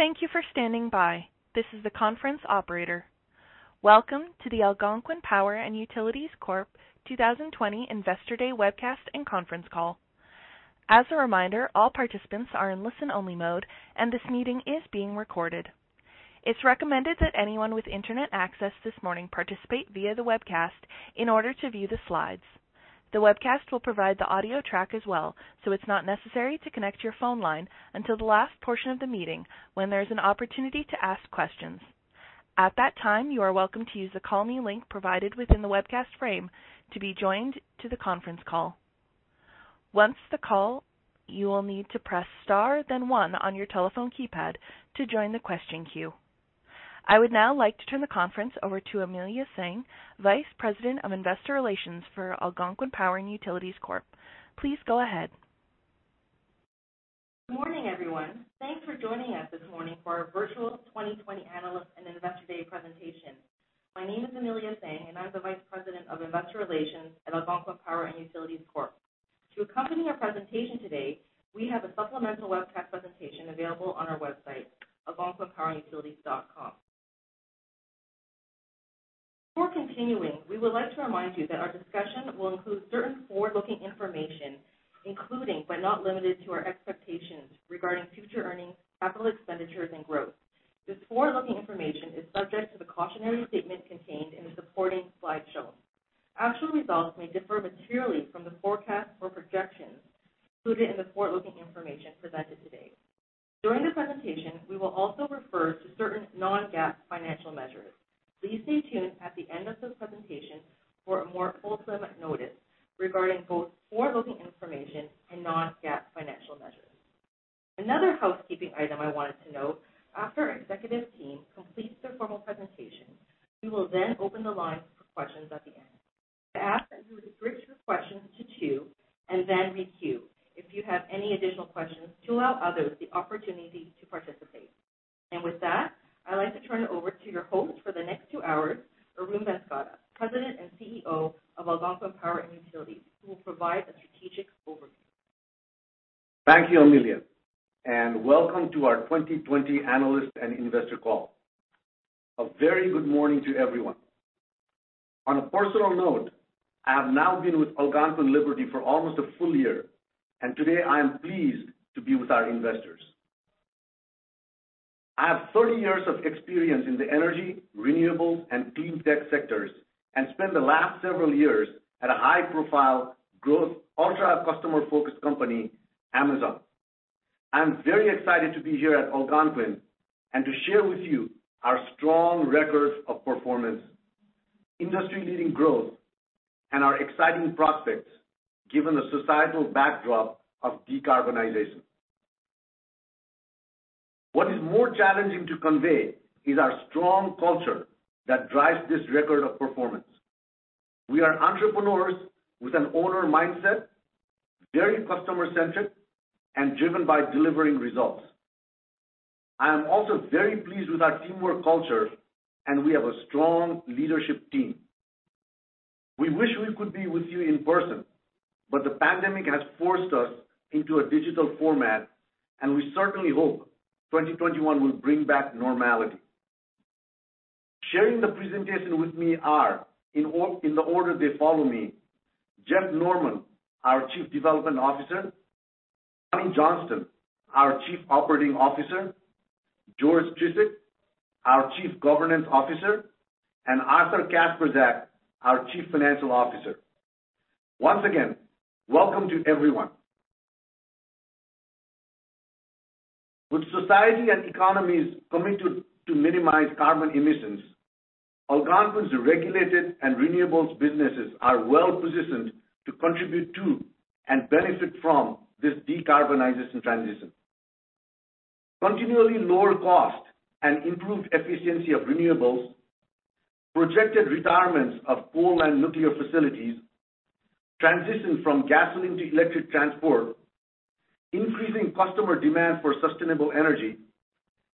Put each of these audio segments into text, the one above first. Thank you for standing by. This is the conference operator. Welcome to the Algonquin Power & Utilities Corp. 2020 Investor Day Webcast and conference call. As a reminder, all participants are in listen-only mode, and this meeting is being recorded. It is recommended that anyone with internet access this morning participate via the webcast in order to view the slides. The webcast will provide the audio track as well, so it is not necessary to connect your phone line until the last portion of the meeting when there is an opportunity to ask questions. At that time, you are welcome to use the Call Me link provided within the webcast frame to be joined to the conference call. Once the call, you will need to press star then one on your telephone keypad to join the question queue. I would now like to turn the conference over to Amelia Tsang, Vice President of Investor Relations for Algonquin Power & Utilities Corp. Please go ahead. Good morning, everyone. Thanks for joining us this morning for our virtual 2020 Analyst and Investor Day presentation. My name is Amelia Tsang, and I'm the Vice President of Investor Relations at Algonquin Power & Utilities Corp. To accompany our presentation today, we have a supplemental webcast presentation available on our website, algonquinpowerandutilities.com. Before continuing, we would like to remind you that our discussion will include certain forward-looking information, including but not limited to our expectations regarding future earnings, capital expenditures, and growth. This forward-looking information is subject to the cautionary statement contained in the supporting slide shown. Actual results may differ materially from the forecasts or projections included in the forward-looking information presented today. During the presentation, we will also refer to certain non-GAAP financial measures. Please stay tuned at the end of the presentation for a more full notice regarding both forward-looking information and non-GAAP financial measures. Another housekeeping item I wanted to note, after our executive team completes their formal presentation, we will then open the lines for questions at the end. I ask that you restrict your questions to two and then re-queue if you have any additional questions to allow others the opportunity to participate. With that, I'd like to turn it over to your host for the next two hours, Arun Banskota, President and CEO of Algonquin Power & Utilities Corp., who will provide a strategic overview. Thank you, Amelia, and welcome to our 2020 Analyst and Investor call. A very good morning to everyone. On a personal note, I have now been with Algonquin Power & Utilities for almost a full year, and today I am pleased to be with our investors. I have 30 years of experience in the energy, renewable, and clean tech sectors and spent the last several years at a high-profile growth ultra-customer-focused company, Amazon. I am very excited to be here at Algonquin and to share with you our strong records of performance, industry-leading growth, and our exciting prospects given the societal backdrop of decarbonization. What is more challenging to convey is our strong culture that drives this record of performance. We are entrepreneurs with an owner mindset, very customer-centric, and driven by delivering results. I am also very pleased with our teamwork culture, and we have a strong leadership team. We wish we could be with you in person, but the pandemic has forced us into a digital format, and we certainly hope 2021 will bring back normality. Sharing the presentation with me are, in the order they follow me, Jeff Norman, our Chief Development Officer, Johnny Johnston, our Chief Operating Officer, George Trisic, our Chief Governance Officer, and Arthur Kacprzak, our Chief Financial Officer. Once again, welcome to everyone. With society and economies committed to minimizing carbon emissions, Algonquin's regulated and renewables businesses are well-positioned to contribute to and benefit from this decarbonization transition. Continually lower cost and improved efficiency of renewables, projected retirements of coal and nuclear facilities, transition from gasoline to electric transport, increasing customer demand for sustainable energy,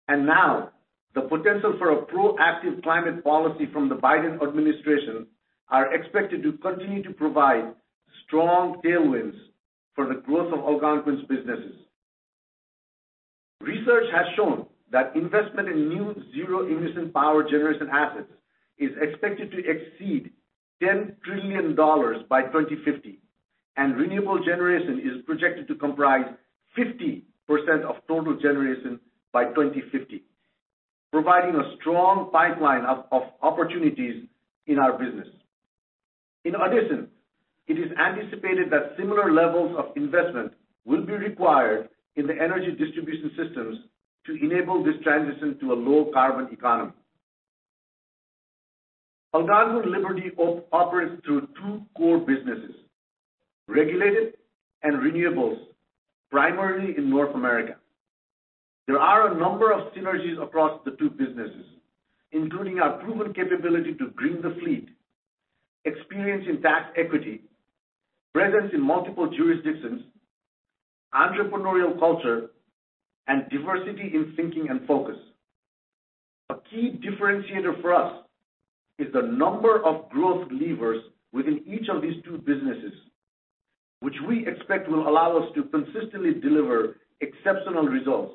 and now the potential for a proactive climate policy from the Biden administration are expected to continue to provide strong tailwinds for the growth of Algonquin's businesses. Research has shown that investment in new zero-emission power generation assets is expected to exceed 10 trillion dollars by 2050, and renewable generation is projected to comprise 50% of total generation by 2050, providing a strong pipeline of opportunities in our business. In addition, it is anticipated that similar levels of investment will be required in the energy distribution systems to enable this transition to a low-carbon economy. Algonquin Power & Utilities operates through two core businesses, regulated and renewables, primarily in North America. There are a number of synergies across the two businesses, including our proven capability to Greening the Fleet, experience in tax equity, presence in multiple jurisdictions, entrepreneurial culture, and diversity in thinking and focus. A key differentiator for us is the number of growth levers within each of these two businesses, which we expect will allow us to consistently deliver exceptional results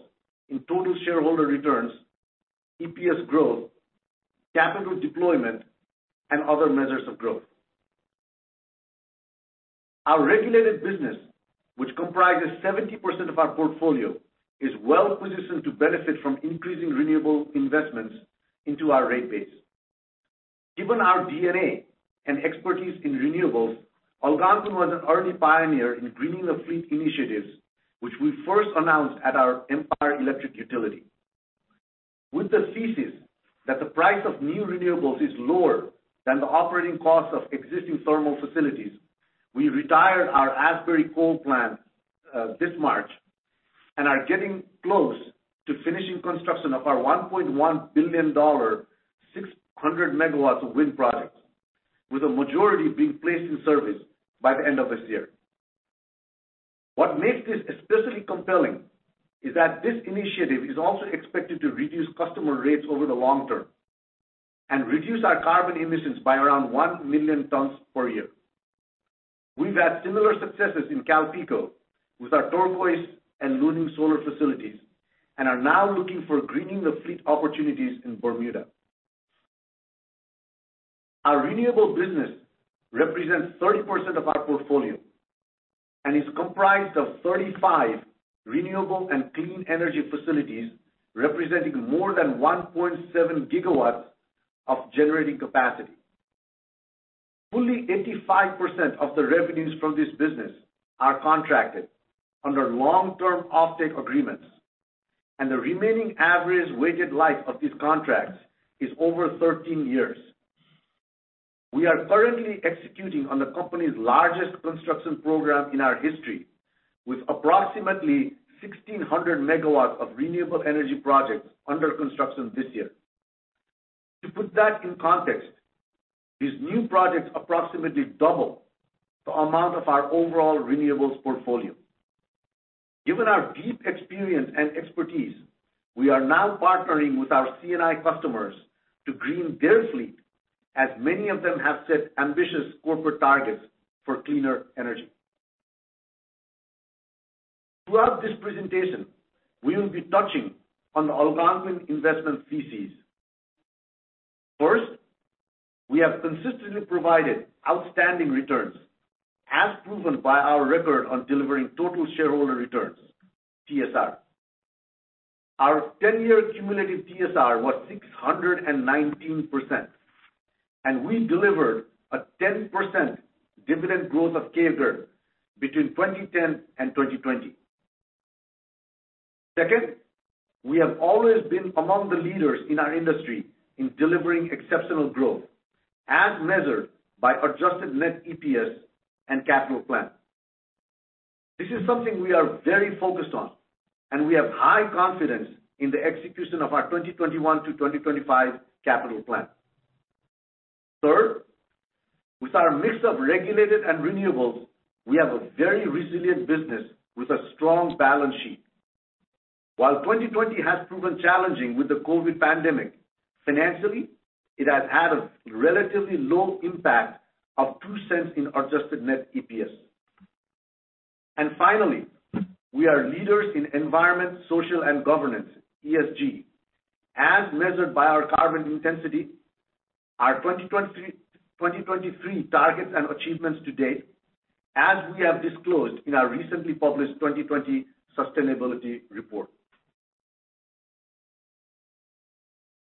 in total shareholder returns, EPS growth, capital deployment, and other measures of growth. Our regulated business, which comprises 70% of our portfolio, is well-positioned to benefit from increasing renewable investments into our rate base. Given our DNA and expertise in renewables, Algonquin was an early pioneer in Greening the Fleet initiatives, which we first announced at our The Empire District Electric Company. With the thesis that the price of new renewables is lower than the operating cost of existing thermal facilities, we retired our Asbury coal plant this March and are getting close to finishing construction of our 1.1 billion dollar 600 MW of wind projects, with a majority being placed in service by the end of this year. What makes this especially compelling is that this initiative is also expected to reduce customer rates over the long term and reduce our carbon emissions by around 1 million tons per year. We've had similar successes in CalPeco with our Turquoise and Luna Solar facilities and are now looking for Greening the Fleet opportunities in Bermuda. Our renewable business represents 30% of our portfolio and is comprised of 35 renewable and clean energy facilities representing more than 1.7 GW of generating capacity. Fully, 85% of the revenues from this business are contracted under long-term offtake agreements, and the remaining average weighted life of these contracts is over 13 years. We are currently executing on the company's largest construction program in our history, with approximately 1,600 MW of renewable energy projects under construction this year. To put that in context, these new projects approximately double the amount of our overall renewables portfolio. Given our deep experience and expertise, we are now partnering with our C&I customers to green their fleet, as many of them have set ambitious corporate targets for cleaner energy. Throughout this presentation, we will be touching on the Algonquin investment theses. First, we have consistently provided outstanding returns, as proven by our record on delivering total shareholder returns, TSR. Our 10-year cumulative TSR was 619%, and we delivered a 10% dividend growth of CAGR between 2010 and 2020. We have always been among the leaders in our industry in delivering exceptional growth as measured by adjusted net EPS and capital plan. This is something we are very focused on, and we have high confidence in the execution of our 2021 to 2025 capital plan. With our mix of regulated and renewables, we have a very resilient business with a strong balance sheet. While 2020 has proven challenging with the COVID pandemic, financially, it has had a relatively low impact of 0.02 in adjusted net EPS. Finally, we are leaders in environment, social, and governance, ESG, as measured by our carbon intensity, our 2023 targets and achievements to date, as we have disclosed in our recently published 2020 sustainability report.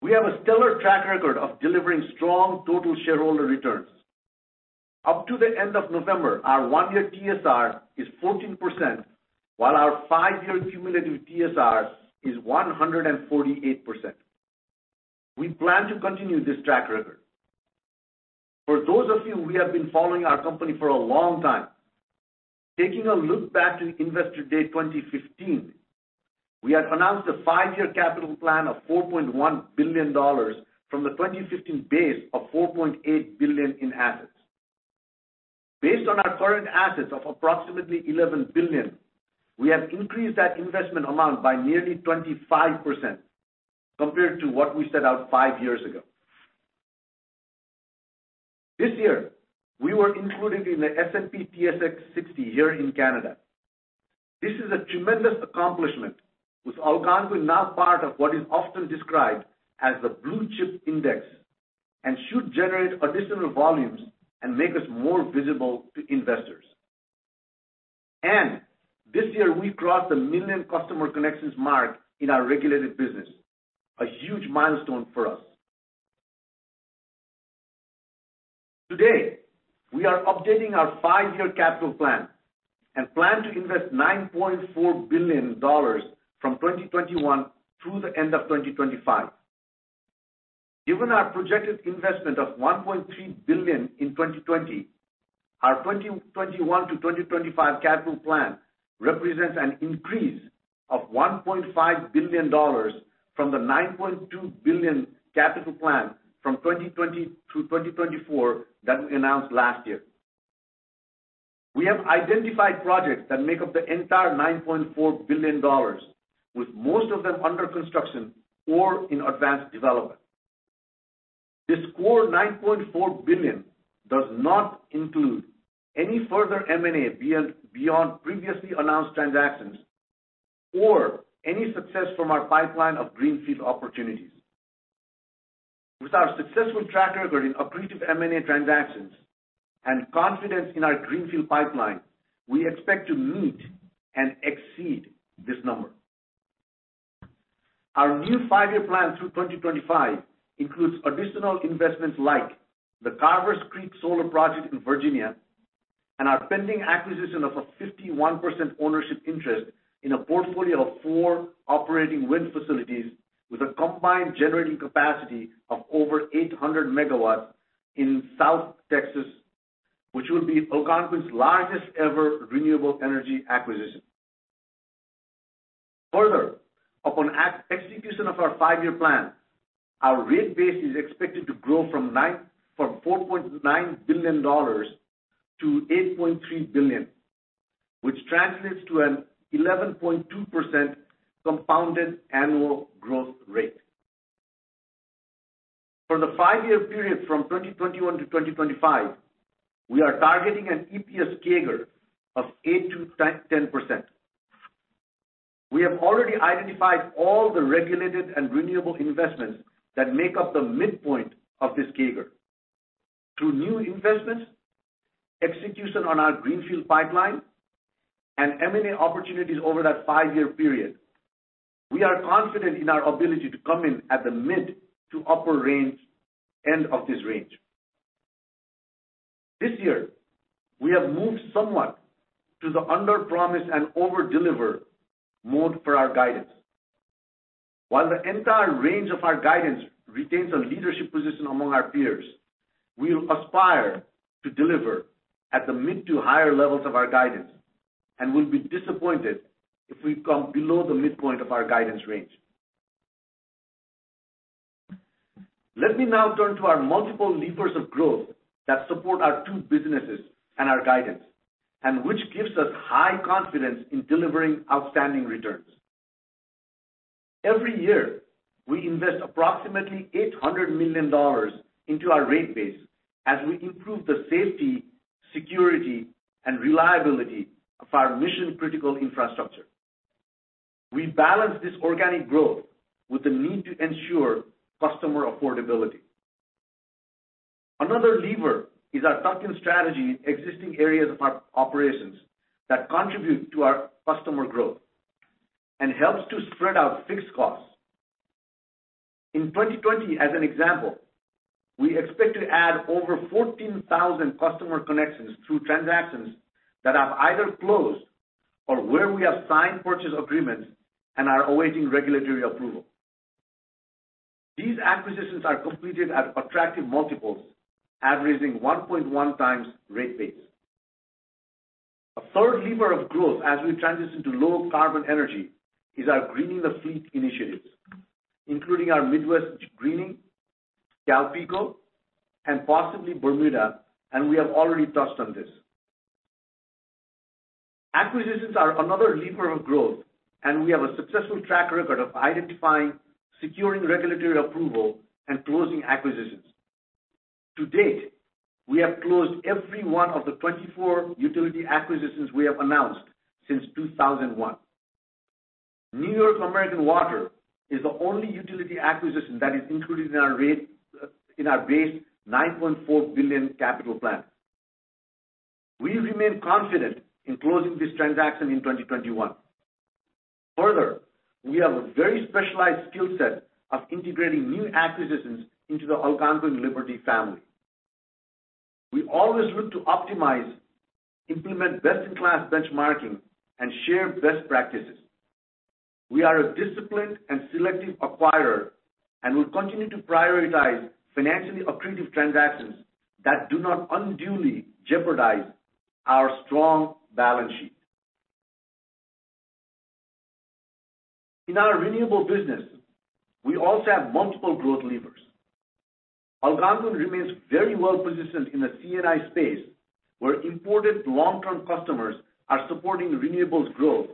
We have a stellar track record of delivering strong total shareholder returns. Up to the end of November, our one-year TSR is 14%, while our five-year cumulative TSR is 148%. We plan to continue this track record. For those of you who have been following our company for a long time, taking a look back to Investor Day 2015, we had announced a five-year capital plan of 4.1 billion dollars from the 2015 base of 4.8 billion in assets. Based on our current assets of approximately 11 billion, we have increased that investment amount by nearly 25% compared to what we set out five years ago. This year, we were included in the S&P/TSX 60 here in Canada. This is a tremendous accomplishment, with Algonquin now part of what is often described as the Blue Chip index and should generate additional volumes and make us more visible to investors. This year, we crossed 1 million customer connections mark in our regulated business. A huge milestone for us. Today, we are updating our five-year capital plan and plan to invest 9.4 billion dollars from 2021 through the end of 2025. Given our projected investment of 1.3 billion in 2020, our 2021 to 2025 capital plan represents an increase of 1.5 billion dollars from the 9.2 billion capital plan from 2020 to 2024 that we announced last year. We have identified projects that make up the entire 9.4 billion dollars, with most of them under construction or in advanced development. This core 9.4 billion does not include any further M&A beyond previously announced transactions or any success from our pipeline of greenfield opportunities. With our successful track record in accretive M&A transactions and confidence in our greenfield pipeline, we expect to meet and exceed this number. Our new five-year plan through 2025 includes additional investments like the Carvers Creek Solar Project in Virginia and our pending acquisition of a 51% ownership interest in a portfolio of four operating wind facilities with a combined generating capacity of over 800 MW in South Texas, which would be Algonquin's largest ever renewable energy acquisition. Further, upon execution of our five-year plan, our rate base is expected to grow from $4.9 billion-$8.3 billion, which translates to an 11.2% compounded annual growth rate. For the five-year period from 2021 to 2025, we are targeting an EPS CAGR of 8%-10%. We have already identified all the regulated and renewable investments that make up the midpoint of this CAGR. Through new investments, execution on our greenfield pipeline, and M&A opportunities over that five-year period, we are confident in our ability to come in at the mid-to-upper range end of this range. This year, we have moved somewhat to the underpromise and overdeliver mode for our guidance. While the entire range of our guidance retains a leadership position among our peers, we will aspire to deliver at the mid to higher levels of our guidance and will be disappointed if we come below the midpoint of our guidance range. Let me now turn to our multiple levers of growth that support our two businesses and our guidance, and which gives us high confidence in delivering outstanding returns. Every year, we invest approximately 800 million dollars into our rate base as we improve the safety, security, and reliability of our mission-critical infrastructure. We balance this organic growth with the need to ensure customer affordability. Another lever is our tuck-in strategy in existing areas of our operations that contribute to our customer growth and helps to spread out fixed costs. In 2020, as an example, we expect to add over 14,000 customer connections through transactions that have either closed or where we have signed purchase agreements and are awaiting regulatory approval. These acquisitions are completed at attractive multiples, averaging 1.1 times rate base. A third lever of growth as we transition to low-carbon energy is our Greening the Fleet initiatives, including our Midwest Greening, CalPeco, and possibly Bermuda, and we have already touched on this. Acquisitions are another lever of growth, and we have a successful track record of identifying, securing regulatory approval, and closing acquisitions. To date, we have closed every one of the 24 utility acquisitions we have announced since 2001. New York American Water is the only utility acquisition that is included in our base $9.4 billion capital plan. We remain confident in closing this transaction in 2021. Further, we have a very specialized skill set of integrating new acquisitions into the Algonquin Liberty family. We always look to optimize, implement best-in-class benchmarking, and share best practices. We are a disciplined and selective acquirer and will continue to prioritize financially accretive transactions that do not unduly jeopardize our strong balance sheet. In our renewable business, we also have multiple growth levers. Algonquin remains very well-positioned in the C&I space, where important long-term customers are supporting renewables growth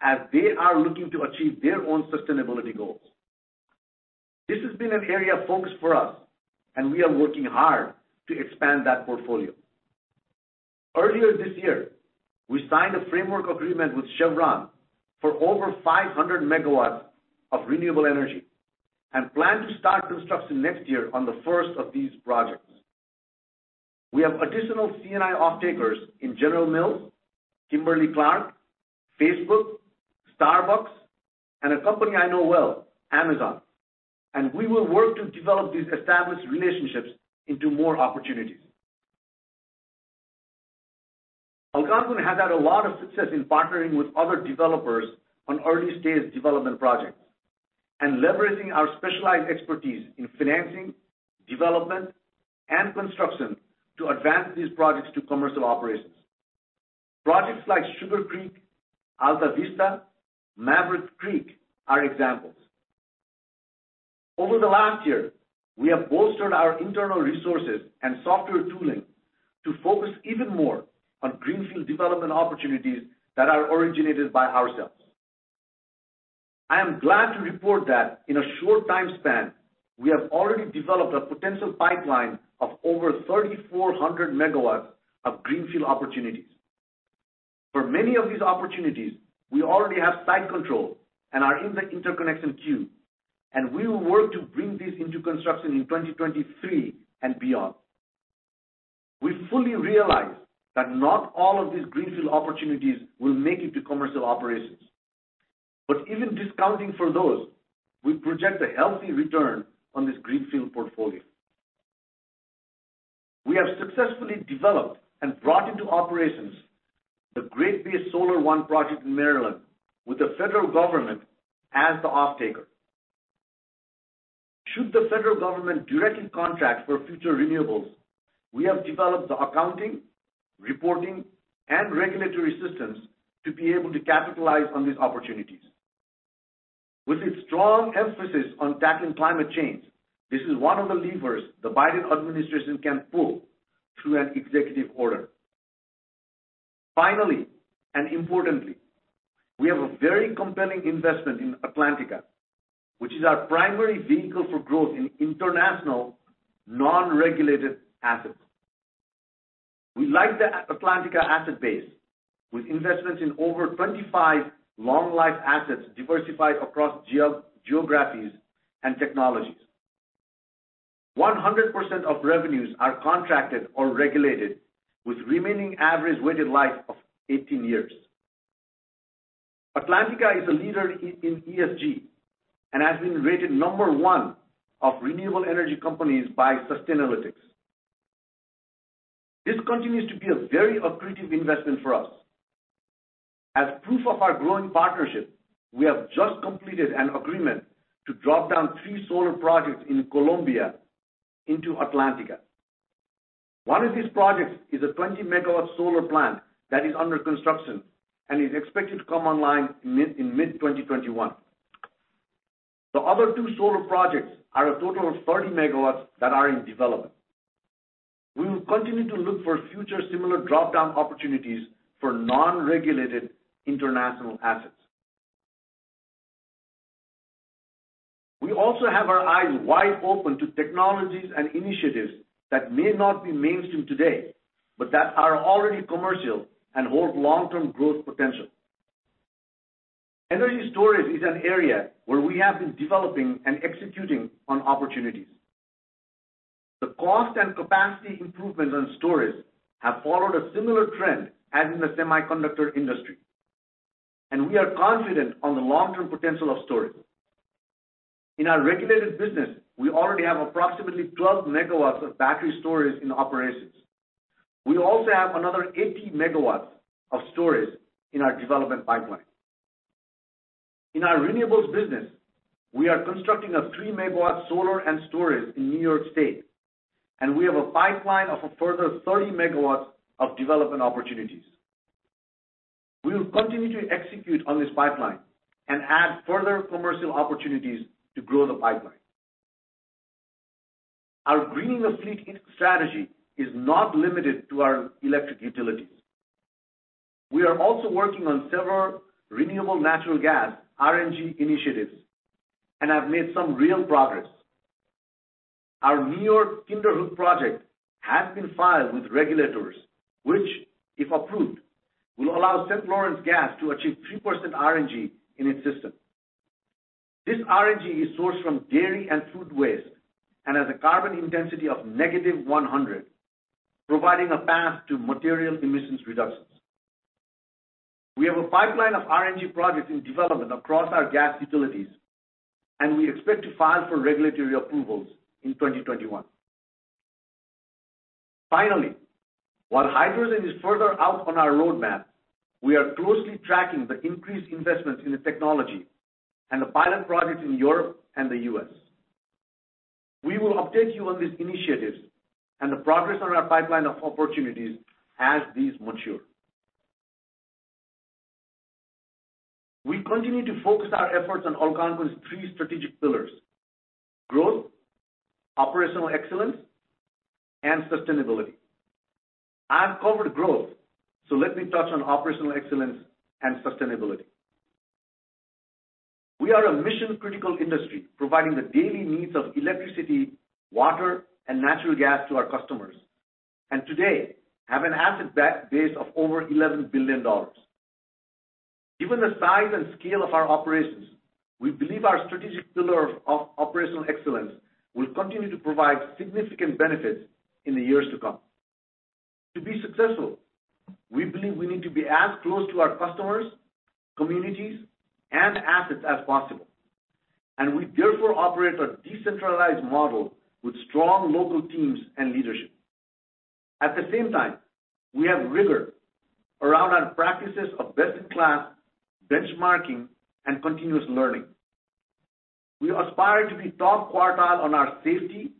as they are looking to achieve their own sustainability goals. This has been an area of focus for us, and we are working hard to expand that portfolio. Earlier this year, we signed a framework agreement with Chevron for over 500 MW of renewable energy and plan to start construction next year on the first of these projects. We have additional C&I off-takers in General Mills, Kimberly-Clark, Facebook, Starbucks, and a company I know well, Amazon. We will work to develop these established relationships into more opportunities. Algonquin has had a lot of success in partnering with other developers on early-stage development projects and leveraging our specialized expertise in financing, development, and construction to advance these projects to commercial operations. Projects like Sugar Creek, Altavista, Maverick Creek are examples. Over the last year, we have bolstered our internal resources and software tooling to focus even more on greenfield development opportunities that are originated by ourselves. I am glad to report that in a short time span, we have already developed a potential pipeline of over 3,400 MW of greenfield opportunities. For many of these opportunities, we already have site control and are in the interconnection queue, and we will work to bring this into construction in 2023 and beyond. We fully realize that not all of these greenfield opportunities will make it to commercial operations. Even discounting for those, we project a healthy return on this greenfield portfolio. We have successfully developed and brought into operations the Great Bay Solar One project in Maryland with the federal government as the offtaker. Should the federal government directly contract for future renewables, we have developed the accounting, reporting, and regulatory systems to be able to capitalize on these opportunities. With its strong emphasis on tackling climate change, this is one of the levers the Biden administration can pull through an executive order. Finally, importantly, we have a very compelling investment in Atlantica, which is our primary vehicle for growth in international non-regulated assets. We like the Atlantica asset base, with investments in over 25 long-life assets diversified across geographies and technologies. 100% of revenues are contracted or regulated, with remaining average weighted life of 18 years. Atlantica is a leader in ESG and has been rated number one of renewable energy companies by Sustainalytics. This continues to be a very accretive investment for us. As proof of our growing partnership, we have just completed an agreement to drop down three solar projects in Colombia into Atlantica. One of these projects is a 20 MW solar plant that is under construction and is expected to come online in mid 2021. The other two solar projects are a total of 30 MW that are in development. We will continue to look for future similar drop-down opportunities for non-regulated international assets. We also have our eyes wide open to technologies and initiatives that may not be mainstream today, but that are already commercial and hold long-term growth potential. Energy storage is an area where we have been developing and executing on opportunities. The cost and capacity improvements on storage have followed a similar trend as in the semiconductor industry, and we are confident on the long-term potential of storage. In our regulated business, we already have approximately 12 MW of battery storage in operations. We also have another 80 MW of storage in our development pipeline. In our renewables business, we are constructing a 3 MW solar and storage in New York State. We have a pipeline of a further 30 MW of development opportunities. We will continue to execute on this pipeline and add further commercial opportunities to grow the pipeline. Our Greening the Fleet strategy is not limited to our electric utilities. We are also working on several renewable natural gas (RNG) initiatives and have made some real progress. Our New York Kinderhook project has been filed with regulators, which, if approved, will allow St. Lawrence Gas to achieve 3% RNG in its system. This RNG is sourced from dairy and food waste and has a carbon intensity of -100, providing a path to material emissions reductions. We have a pipeline of RNG projects in development across our gas utilities. We expect to file for regulatory approvals in 2021. Finally, while hydrogen is further out on our roadmap, we are closely tracking the increased investments in the technology and the pilot projects in Europe and the U.S. We will update you on these initiatives and the progress on our pipeline of opportunities as these mature. We continue to focus our efforts on Algonquin's three strategic pillars: growth, operational excellence, and sustainability. I have covered growth, let me touch on operational excellence and sustainability. We are a mission-critical industry, providing the daily needs of electricity, water, and natural gas to our customers, and today have an asset base of over 11 billion dollars. Given the size and scale of our operations, we believe our strategic pillar of operational excellence will continue to provide significant benefits in the years to come. To be successful, we believe we need to be as close to our customers, communities, and assets as possible. We therefore operate a decentralized model with strong local teams and leadership. At the same time, we have rigor around our practices of best-in-class benchmarking and continuous learning. We aspire to be top quartile on our safety,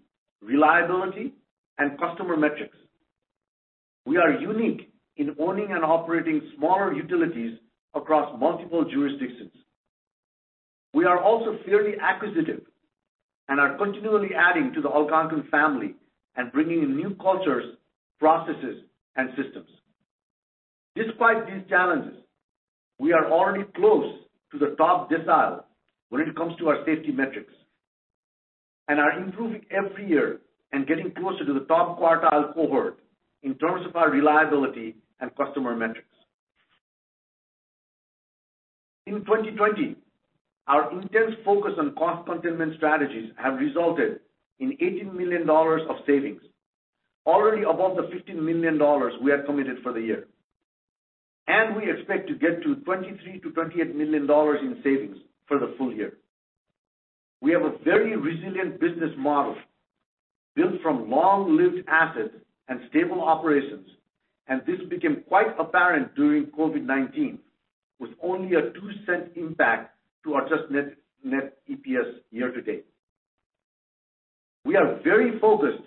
reliability, and customer metrics. We are unique in owning and operating smaller utilities across multiple jurisdictions. We are also fairly acquisitive and are continually adding to the Algonquin family and bringing in new cultures, processes, and systems. Despite these challenges, we are already close to the top decile when it comes to our safety metrics and are improving every year and getting closer to the top quartile cohort in terms of our reliability and customer metrics. In 2020, our intense focus on cost containment strategies have resulted in 18 million dollars of savings, already above the 15 million dollars we had committed for the year. We expect to get to 23 million-28 million dollars in savings for the full year. We have a very resilient business model built from long-lived assets and stable operations, and this became quite apparent during COVID-19, with only a 0.02 impact to our adjusted net EPS year-to-date. We are very focused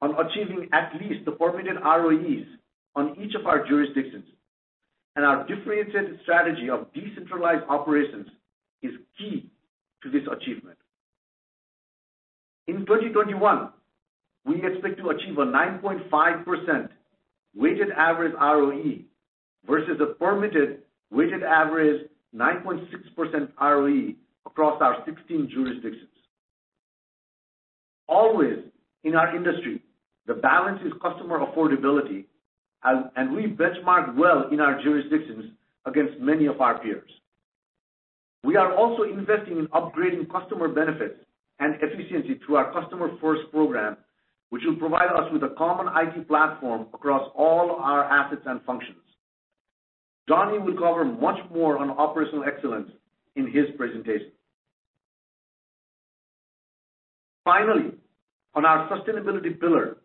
on achieving at least the permitted ROEs on each of our jurisdictions, and our differentiated strategy of decentralized operations is key to this achievement. In 2021, we expect to achieve a 9.5% weighted average ROE versus a permitted weighted average 9.6% ROE across our 16 jurisdictions. Always, in our industry, the balance is customer affordability, and we benchmark well in our jurisdictions against many of our peers. We are also investing in upgrading customer benefits and efficiency through our Customer First program, which will provide us with a common IT platform across all our assets and functions. Johnny will cover much more on operational excellence in his presentation. Finally, on our sustainability pillar,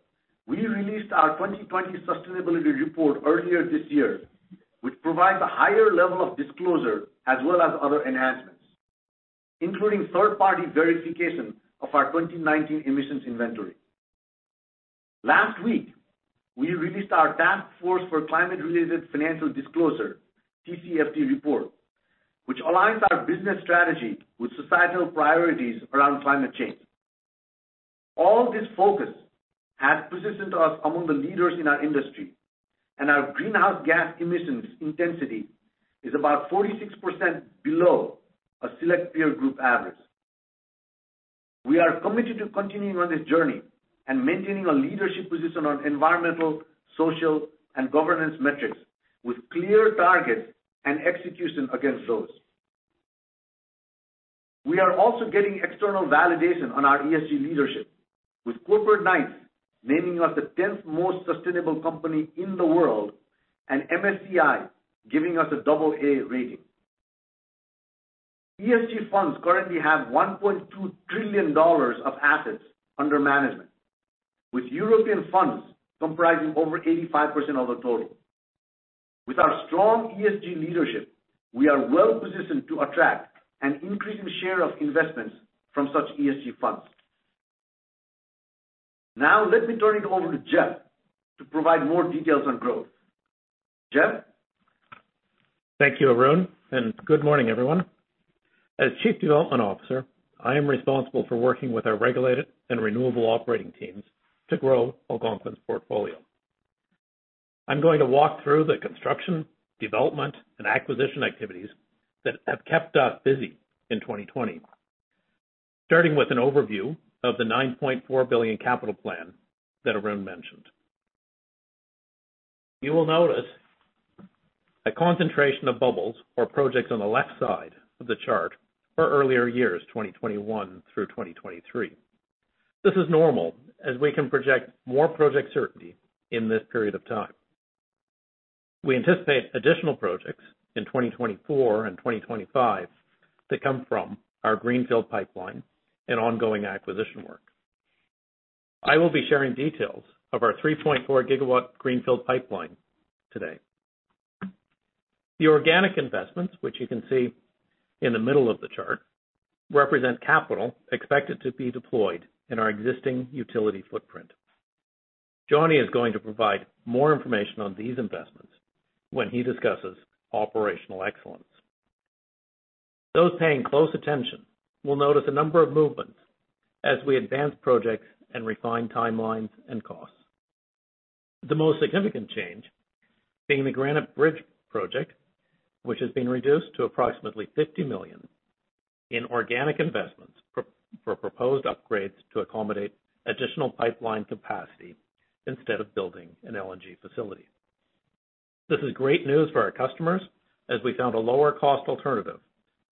we released our 2020 sustainability report earlier this year, which provides a higher level of disclosure as well as other enhancements, including third-party verification of our 2019 emissions inventory. Last week, we released our Task Force on Climate-related Financial Disclosures, TCFD report, which aligns our business strategy with societal priorities around climate change. All this focus has positioned us among the leaders in our industry, and our greenhouse gas emissions intensity is about 46% below a select peer group average. We are committed to continuing on this journey and maintaining a leadership position on environmental, social, and governance metrics with clear targets and execution against those. We are also getting external validation on our ESG leadership, with Corporate Knights naming us the 10th most sustainable company in the world and MSCI giving us an AA rating. ESG funds currently have 1.2 trillion dollars of assets under management, with European funds comprising over 85% of the total. With our strong ESG leadership, we are well-positioned to attract an increasing share of investments from such ESG funds. Let me turn it over to Jeff to provide more details on growth. Jeff? Thank you, Arun, and good morning, everyone. As Chief Development Officer, I am responsible for working with our regulated and renewable operating teams to grow Algonquin's portfolio. I'm going to walk through the construction, development, and acquisition activities that have kept us busy in 2020, starting with an overview of the 9.4 billion capital plan that Arun mentioned. You will notice a concentration of bubbles or projects on the left side of the chart for earlier years, 2021 through 2023. This is normal, as we can project more project certainty in this period of time. We anticipate additional projects in 2024 and 2025 that come from our greenfield pipeline and ongoing acquisition work. I will be sharing details of our 3.4 GW greenfield pipeline today. The organic investments, which you can see in the middle of the chart, represent capital expected to be deployed in our existing utility footprint. Johnny is going to provide more information on these investments when he discusses operational excellence. Those paying close attention will notice a number of movements as we advance projects and refine timelines and costs. The most significant change being the Granite Bridge project, which has been reduced to approximately 50 million in organic investments for proposed upgrades to accommodate additional pipeline capacity instead of building an LNG facility. This is great news for our customers as we found a lower-cost alternative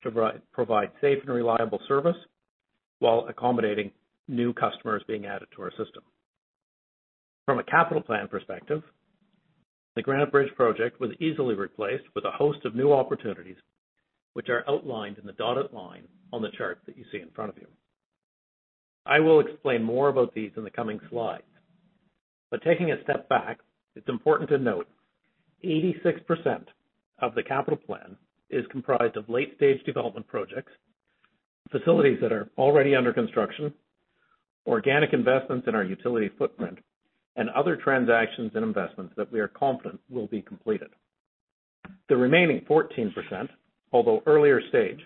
to provide safe and reliable service while accommodating new customers being added to our system. From a capital plan perspective, the Granite Bridge project was easily replaced with a host of new opportunities, which are outlined in the dotted line on the chart that you see in front of you. I will explain more about these in the coming slides. Taking a step back, it's important to note 86% of the capital plan is comprised of late-stage development projects. Facilities that are already under construction, organic investments in our utility footprint, and other transactions and investments that we are confident will be completed. The remaining 14%, although earlier stage,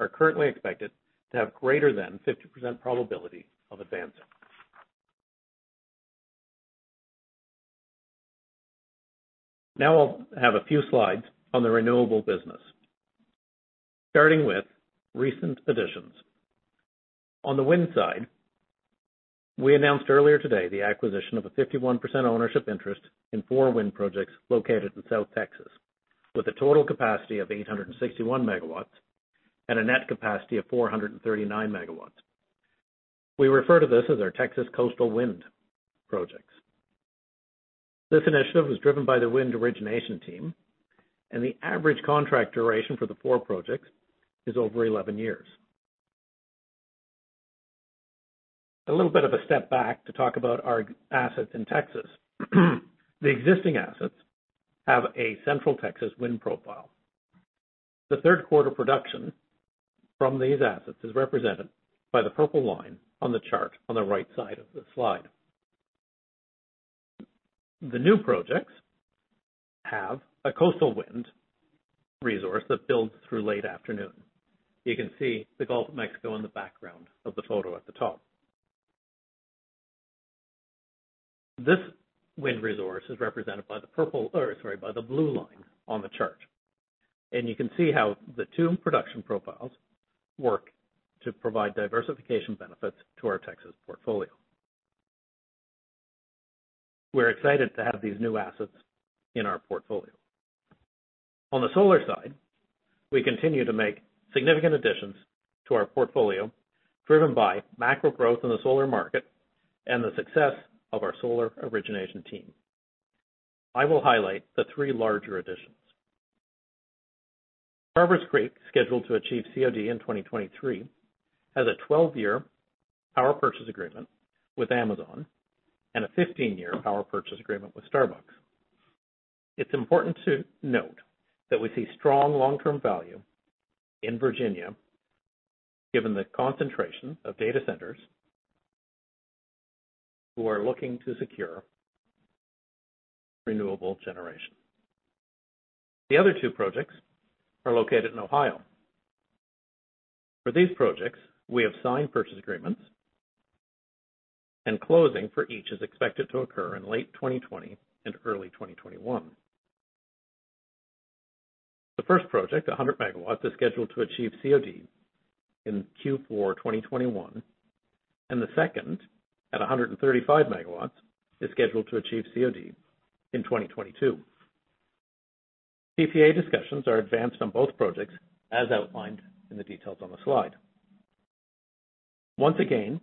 are currently expected to have greater than 50% probability of advancing. I'll have a few slides on the renewable business, starting with recent additions. On the wind side, we announced earlier today the acquisition of a 51% ownership interest in four wind projects located in South Texas, with a total capacity of 861 MWand a net capacity of 439 MW. We refer to this as our Texas Coastal Wind Projects. This initiative was driven by the wind origination team, and the average contract duration for the four projects is over 11 years. A little bit of a step back to talk about our assets in Texas. The existing assets have a Central Texas wind profile. The third quarter production from these assets is represented by the purple line on the chart on the right side of the slide. The new projects have a coastal wind resource that builds through late afternoon. You can see the Gulf of Mexico in the background of the photo at the top. This wind resource is represented by the blue line on the chart. You can see how the two production profiles work to provide diversification benefits to our Texas portfolio. We're excited to have these new assets in our portfolio. On the solar side, we continue to make significant additions to our portfolio, driven by macro growth in the solar market and the success of our solar origination team. I will highlight the three larger additions. Carvers Creek, scheduled to achieve COD in 2023, has a 12-year power purchase agreement with Amazon and a 15-year power purchase agreement with Starbucks. It's important to note that we see strong long-term value in Virginia given the concentration of data centers who are looking to secure renewable generation. The other two projects are located in Ohio. For these projects, we have signed purchase agreements, and closing for each is expected to occur in late 2020 and early 2021. The first project, 100 MW, is scheduled to achieve COD in Q4 2021, and the second, at 135 MW, is scheduled to achieve COD in 2022. PPA discussions are advanced on both projects, as outlined in the details on the slide. Once again,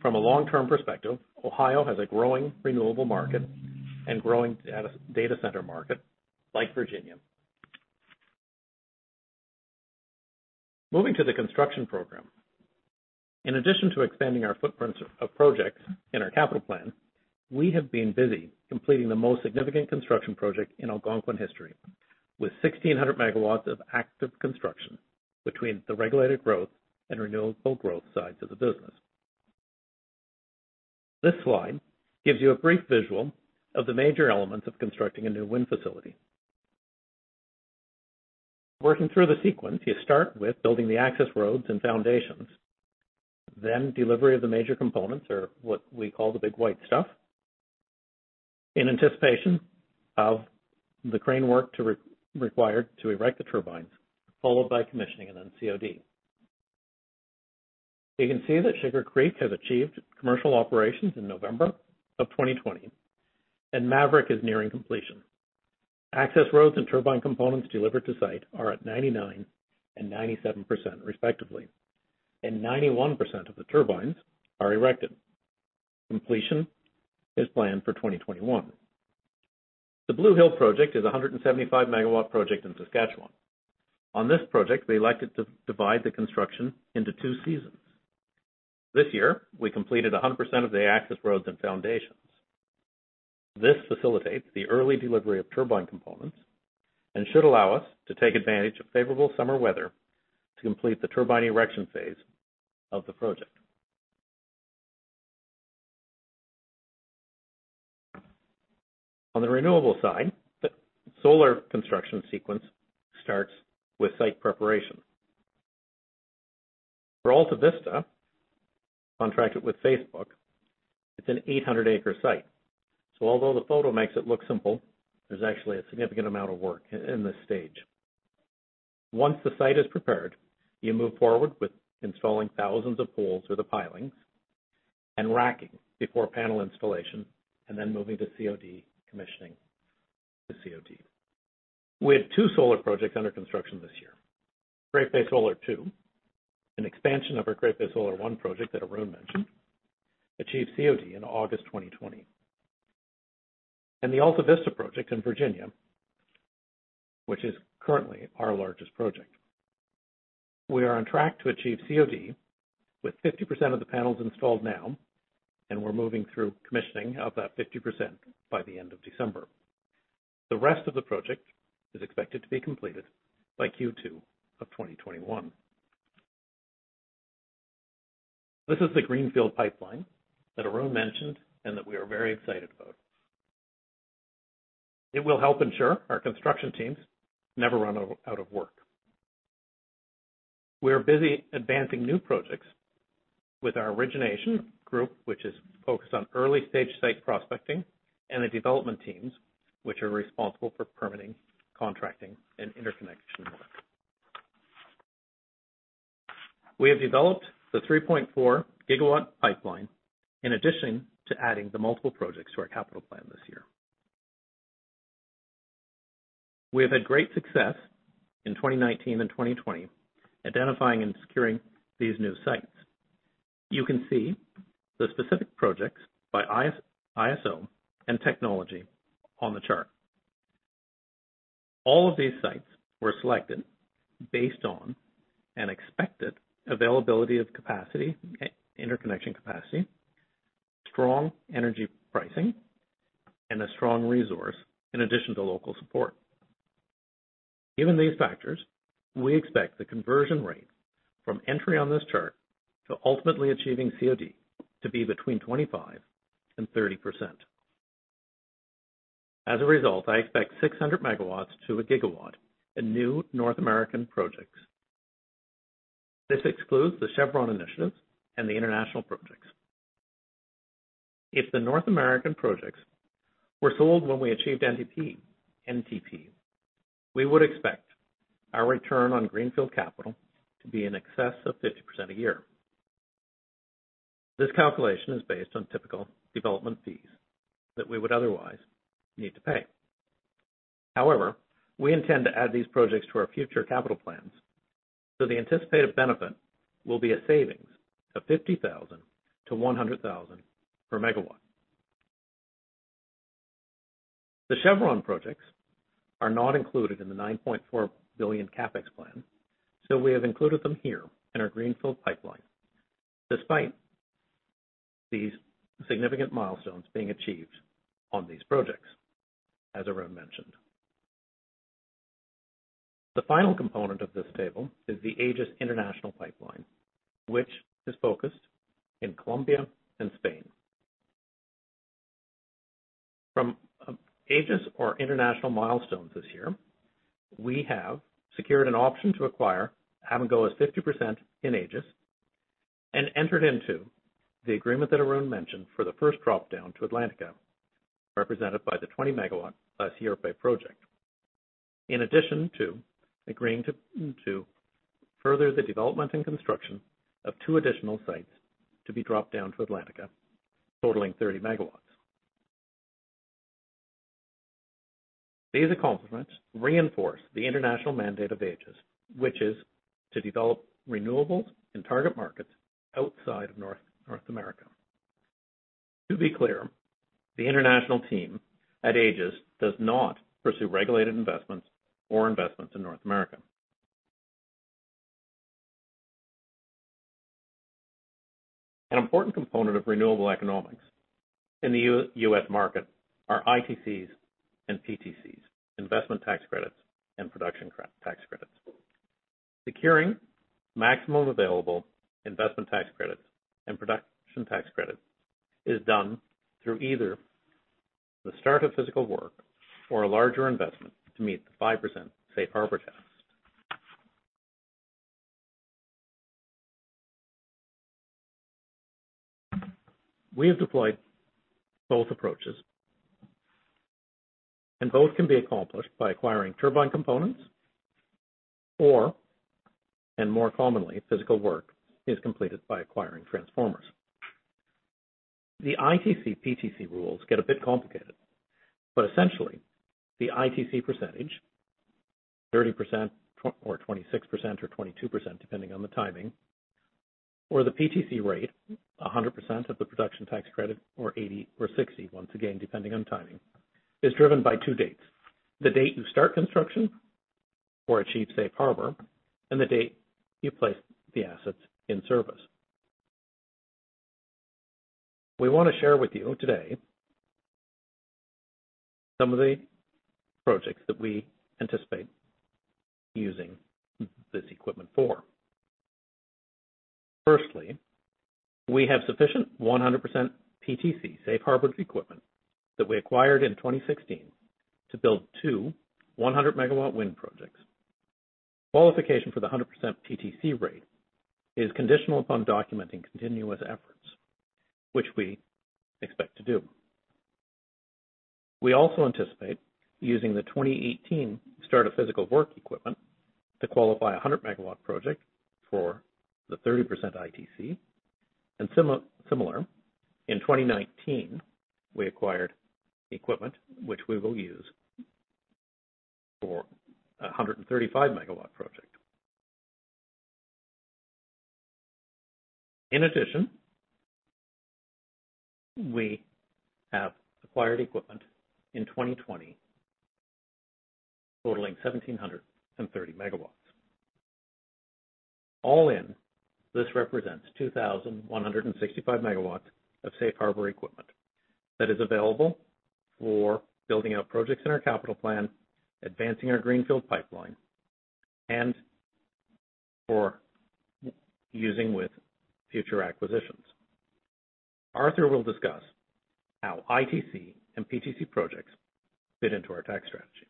from a long-term perspective, Ohio has a growing renewable market and growing data center market like Virginia. Moving to the construction program. In addition to expanding our footprints of projects in our capital plan, we have been busy completing the most significant construction project in Algonquin history, with 1,600 MW of active construction between the regulated growth and renewable growth sides of the business. This slide gives you a brief visual of the major elements of constructing a new wind facility. Working through the sequence, you start with building the access roads and foundations, then delivery of the major components or what we call the big white stuff, in anticipation of the crane work required to erect the turbines, followed by commissioning and then COD. You can see that Sugar Creek has achieved commercial operations in November of 2020, and Maverick is nearing completion. Access roads and turbine components delivered to site are at 99% and 97% respectively, and 91% of the turbines are erected. Completion is planned for 2021. The Blue Hill project is a 175 MW project in Saskatchewan. On this project, we elected to divide the construction into two seasons. This year, we completed 100% of the access roads and foundations. This facilitates the early delivery of turbine components and should allow us to take advantage of favorable summer weather to complete the turbine erection phase of the project. On the renewable side, the solar construction sequence starts with site preparation. For Alta Vista, contracted with Facebook, it's an 800-acre site. Although the photo makes it look simple, there's actually a significant amount of work in this stage. Once the site is prepared, you move forward with installing thousands of poles or the pilings and racking before panel installation, and then moving to commissioning the COD. We had two solar projects under construction this year. Great Bay Solar 2, an expansion of our Great Bay Solar 1 project that Arun mentioned, achieved COD in August 2020. The Alta Vista project in Virginia, which is currently our largest project. We are on track to achieve COD with 50% of the panels installed now, and we're moving through commissioning of that 50% by the end of December. The rest of the project is expected to be completed by Q2 of 2021. This is the greenfield pipeline that Arun mentioned and that we are very excited about. It will help ensure our construction teams never run out of work. We are busy advancing new projects with our origination group, which is focused on early-stage site prospecting, and the development teams, which are responsible for permitting, contracting, and interconnection work. We have developed the 3.4 GW pipeline in addition to adding the multiple projects to our capital plan this year. We have had great success in 2019 and 2020 identifying and securing these new sites. You can see the specific projects by ISO and technology on the chart. All of these sites were selected based on an expected availability of interconnection capacity, strong energy pricing, and a strong resource in addition to local support. Given these factors, we expect the conversion rate from entry on this chart to ultimately achieving COD to be between 25%-30%. As a result, I expect 600 MW to 1 GW in new North American projects. This excludes the Chevron initiatives and the international projects. If the North American projects were sold when we achieved NTP, we would expect our return on greenfield capital to be in excess of 50% a year. This calculation is based on typical development fees that we would otherwise need to pay. We intend to add these projects to our future capital plans, so the anticipated benefit will be a savings of 50,000-100,000 per megawatt. The Chevron projects are not included in the 9.4 billion CapEx plan, so we have included them here in our greenfield pipeline, despite these significant milestones being achieved on these projects, as Arun mentioned. The final component of this table is the AAGES international pipeline, which is focused in Colombia and Spain. From AAGES, our international milestones this year, we have secured an option to acquire Abengoa's 50% in AAGES and entered into the agreement that Arun mentioned for the first drop-down to Atlantica, represented by the 20-megawatt La Sierpe project. In addition to agreeing to further the development and construction of two additional sites to be dropped down to Atlantica, totaling 30 megawatts. These accomplishments reinforce the international mandate of AAGES, which is to develop renewables in target markets outside of North America. To be clear, the international team at AAGES does not pursue regulated investments or investments in North America. An important component of renewable economics in the U.S. market are ITCs and PTCs, investment tax credits and production tax credits. Securing maximum available investment tax credits and production tax credits is done through either the start of physical work or a larger investment to meet the 5% safe harbor test. We have deployed both approaches. Both can be accomplished by acquiring turbine components or, and more commonly, physical work is completed by acquiring transformers. The ITC/PTC rules get a bit complicated, but essentially, the ITC percentage, 30% or 26% or 22%, depending on the timing, or the PTC rate, 100% of the production tax credit, or 80 or 60, once again, depending on timing, is driven by two dates: the date you start construction or achieve safe harbor, and the date you place the assets in service. We want to share with you today some of the projects that we anticipate using this equipment for. Firstly, we have sufficient 100% PTC safe harbored equipment that we acquired in 2016 to build two 100 MW wind projects. Qualification for the 100% PTC rate is conditional upon documenting continuous efforts, which we expect to do. We also anticipate using the 2018 start of physical work equipment to qualify a 100 MW project for the 30% ITC, and similar, in 2019, we acquired equipment which we will use for a 135 MW project. In addition, we have acquired equipment in 2020 totaling 1,730 MW. All in, this represents 2,165 MW of safe harbor equipment that is available for building out projects in our capital plan, advancing our greenfield pipeline, and for using with future acquisitions. Arthur will discuss how ITC and PTC projects fit into our tax strategy.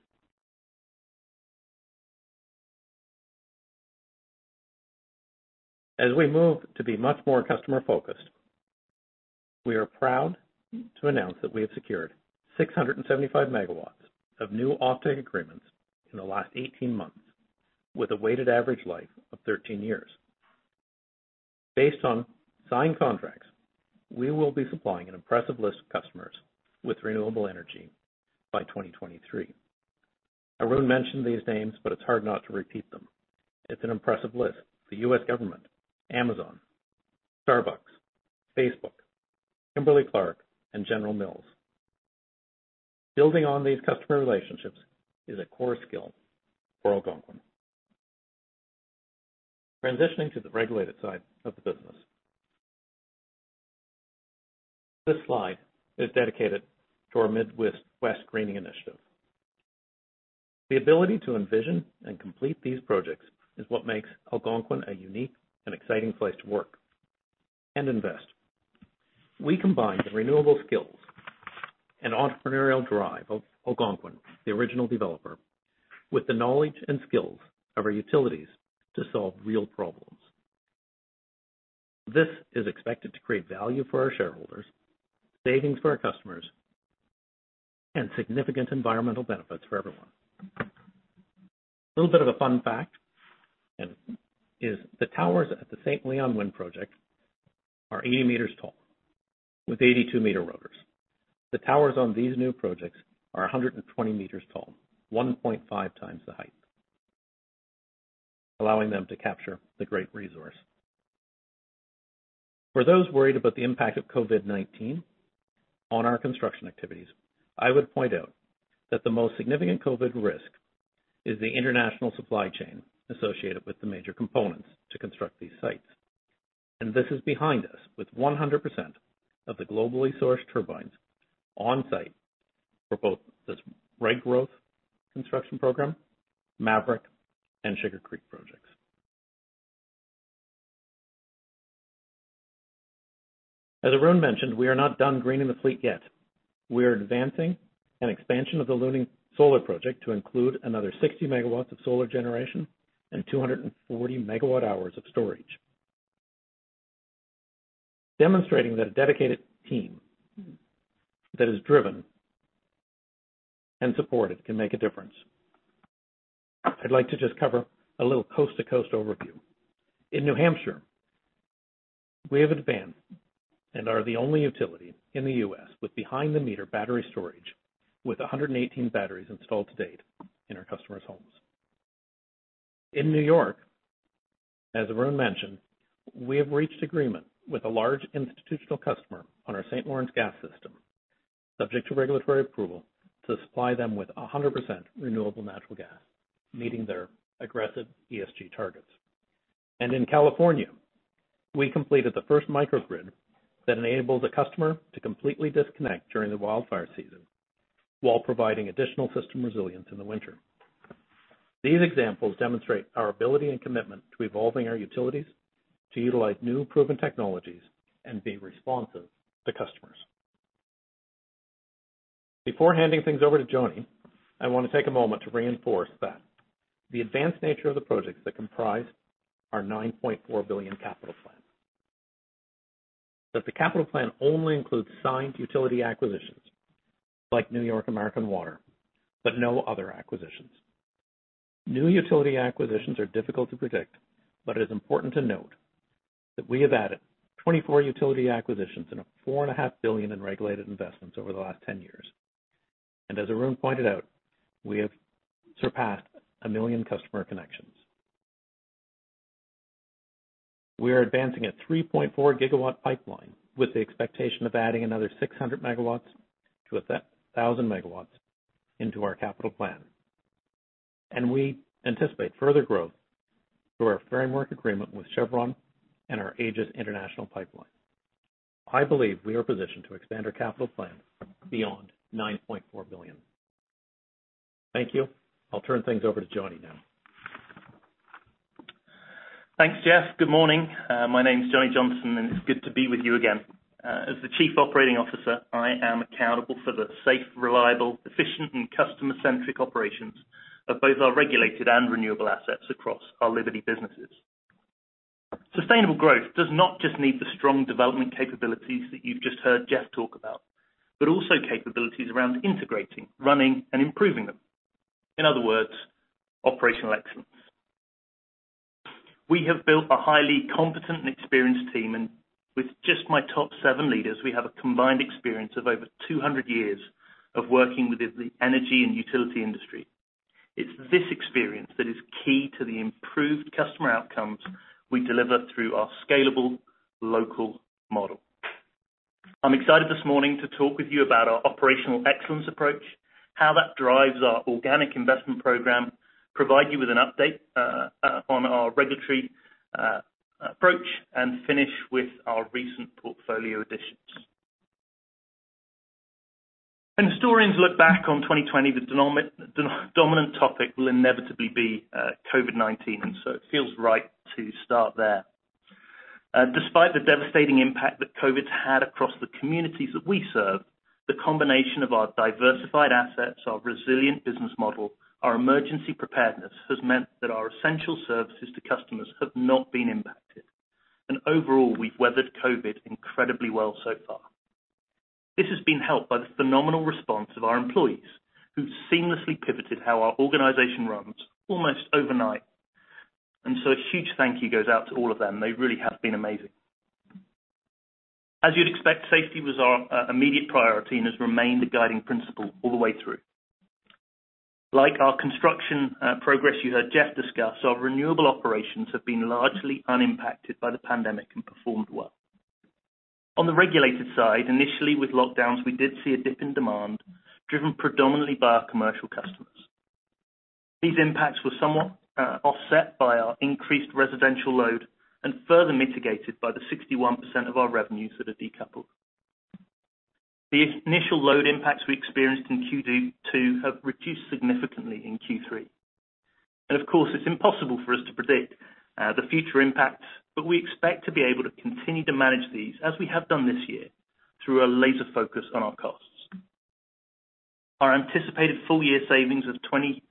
As we move to be much more customer-focused, we are proud to announce that we have secured 675 MW of new offtake agreements in the last 18 months with a weighted average life of 13 years. Based on signed contracts, we will be supplying an impressive list of customers with renewable energy by 2023. Arun mentioned these names. It's hard not to repeat them. It's an impressive list. The U.S. government, Amazon, Starbucks, Facebook, Kimberly-Clark, and General Mills. Building on these customer relationships is a core skill for Algonquin. Transitioning to the regulated side of the business. This slide is dedicated to our Midwest Greening the Fleet. The ability to envision and complete these projects is what makes Algonquin a unique and exciting place to work and invest. We combine the renewable skills and entrepreneurial drive of Algonquin, the original developer, with the knowledge and skills of our utilities to solve real problems. This is expected to create value for our shareholders, savings for our customers, and significant environmental benefits for everyone. A little bit of a fun fact is the towers at the Saint Leon Wind project are 80 meters tall with 82-meter rotors. The towers on these new projects are 120 meters tall, 1.5 times the height, allowing them to capture the great resource. For those worried about the impact of COVID-19 on our construction activities, I would point out that the most significant COVID risk is the international supply chain associated with the major components to construct these sites. This is behind us with 100% of the globally sourced turbines on site for both this rate growth construction program, Maverick and Sugar Creek projects. As Arun mentioned, we are not done Greening the Fleet yet. We are advancing an expansion of the Luna Solar project to include another 60 MW of solar generation and 240 MW hours of storage. Demonstrating that a dedicated team that is driven and supported can make a difference. I'd like to just cover a little coast-to-coast overview. In New Hampshire, we have advanced and are the only utility in the U.S. with behind-the-meter battery storage with 118 batteries installed to date in our customers' homes. In New York, as Arun mentioned, we have reached agreement with a large institutional customer on our St. Lawrence Gas system, subject to regulatory approval, to supply them with 100% renewable natural gas, meeting their aggressive ESG targets. In California, we completed the first microgrid that enables a customer to completely disconnect during the wildfire season while providing additional system resilience in the winter. These examples demonstrate our ability and commitment to evolving our utilities to utilize new proven technologies and be responsive to customers. Before handing things over to Johnny, I want to take a moment to reinforce that the advanced nature of the projects that comprise our 9.4 billion capital plan, that the capital plan only includes signed utility acquisitions like New York American Water, but no other acquisitions. New utility acquisitions are difficult to predict, but it is important to note that we have added 24 utility acquisitions and 4.5 billion in regulated investments over the last 10 years. As Arun pointed out, we have surpassed a million customer connections. We are advancing a 3.4 GW pipeline with the expectation of adding another 600 MW 1,000 MW into our capital plan. We anticipate further growth through our framework agreement with Chevron and our AAGES International pipeline. I believe we are positioned to expand our capital plan beyond 9.4 billion. Thank you. I'll turn things over to Johnny now. Thanks, Jeff. Good morning. My name's Johnny Johnston. It's good to be with you again. As the Chief Operating Officer, I am accountable for the safe, reliable, efficient, and customer-centric operations of both our regulated and renewable assets across our Liberty businesses. Sustainable growth does not just need the strong development capabilities that you've just heard Jeff talk about, also capabilities around integrating, running, and improving them. In other words, operational excellence. We have built a highly competent and experienced team. With just my top seven leaders, we have a combined experience of over 200 years of working within the energy and utility industry. It's this experience that is key to the improved customer outcomes we deliver through our scalable local model. I'm excited this morning to talk with you about our operational excellence approach, how that drives our organic investment program, provide you with an update on our regulatory approach, and finish with our recent portfolio additions. When historians look back on 2020, the dominant topic will inevitably be COVID-19. It feels right to start there. Despite the devastating impact that COVID's had across the communities that we serve, the combination of our diversified assets, our resilient business model, our emergency preparedness, has meant that our essential services to customers have not been impacted. Overall, we've weathered COVID incredibly well so far. This has been helped by the phenomenal response of our employees, who seamlessly pivoted how our organization runs almost overnight. A huge thank you goes out to all of them. They really have been amazing. As you'd expect, safety was our immediate priority and has remained a guiding principle all the way through. Like our construction progress you heard Jeff discuss, our renewable operations have been largely unimpacted by the pandemic and performed well. On the regulated side initially with lockdowns, we did see a dip in demand driven predominantly by our commercial customers. These impacts were somewhat offset by our increased residential load and further mitigated by the 61% of our revenues that are decoupled. The initial load impacts we experienced in Q2 have reduced significantly in Q3. Of course, it's impossible for us to predict the future impacts, but we expect to be able to continue to manage these as we have done this year through a laser focus on our costs. Our anticipated full year savings of 23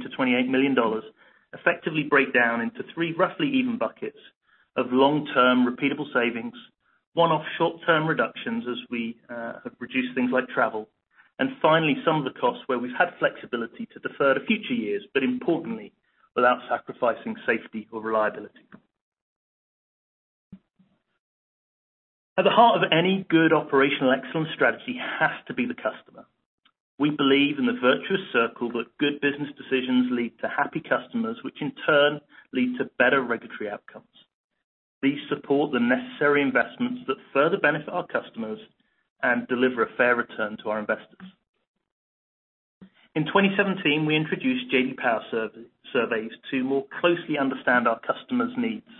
million-28 million dollars effectively break down into three roughly even buckets of long-term repeatable savings, one-off short-term reductions as we have reduced things like travel, and finally, some of the costs where we've had flexibility to defer to future years, but importantly, without sacrificing safety or reliability. At the heart of any good operational excellence strategy has to be the customer. We believe in the virtuous circle that good business decisions lead to happy customers, which in turn leads to better regulatory outcomes. These support the necessary investments that further benefit our customers and deliver a fair return to our investors. In 2017, we introduced J.D. Power surveys to more closely understand our customers' needs.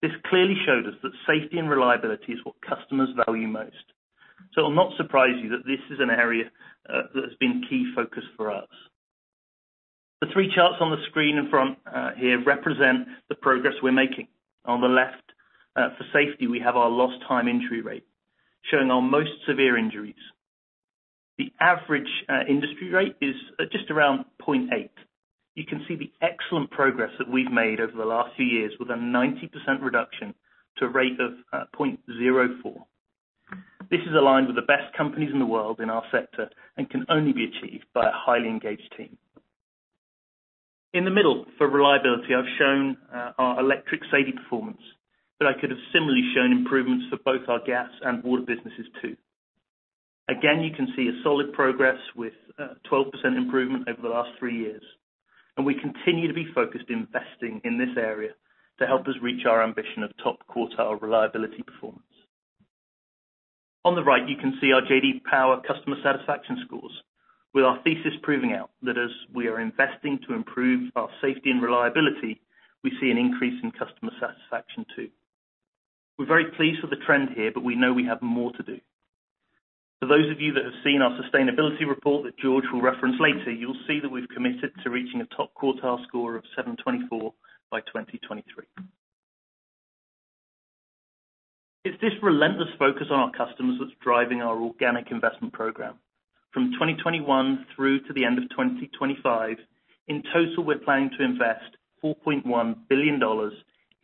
This clearly showed us that safety and reliability is what customers value most. It will not surprise you that this is an area that has been key focus for us. The three charts on the screen in front here represent the progress we're making. On the left, for safety, we have our lost time injury rate, showing our most severe injuries. The average industry rate is just around 0.8. You can see the excellent progress that we've made over the last few years with a 90% reduction to a rate of 0.04. This is aligned with the best companies in the world in our sector and can only be achieved by a highly engaged team. In the middle for reliability, I've shown our electric safety performance, but I could have similarly shown improvements for both our gas and water businesses too. You can see a solid progress with 12% improvement over the last three years. We continue to be focused investing in this area to help us reach our ambition of top quartile reliability performance. On the right, you can see our J.D. Power customer satisfaction scores with our thesis proving out that as we are investing to improve our safety and reliability, we see an increase in customer satisfaction too. We're very pleased with the trend here. We know we have more to do. For those of you that have seen our sustainability report that George will reference later, you'll see that we've committed to reaching a top quartile score of 724 by 2023. It's this relentless focus on our customers that's driving our organic investment program. From 2021 through to the end of 2025, in total, we're planning to invest 4.1 billion dollars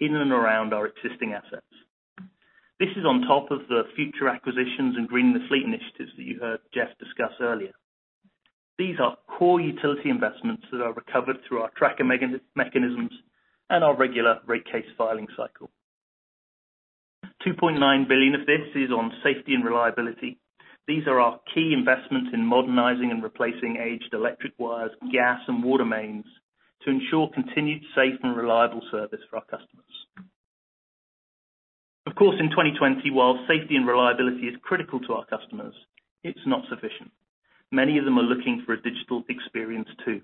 in and around our existing assets. This is on top of the future acquisitions and Greening the Fleet initiatives that you heard Jeff discuss earlier. These are core utility investments that are recovered through our tracker mechanisms and our regular rate case filing cycle. 2.9 billion of this is on safety and reliability. These are our key investments in modernizing and replacing aged electric wires, gas and water mains to ensure continued safe and reliable service for our customers. Of course, in 2020, while safety and reliability is critical to our customers, it's not sufficient. Many of them are looking for a digital experience too.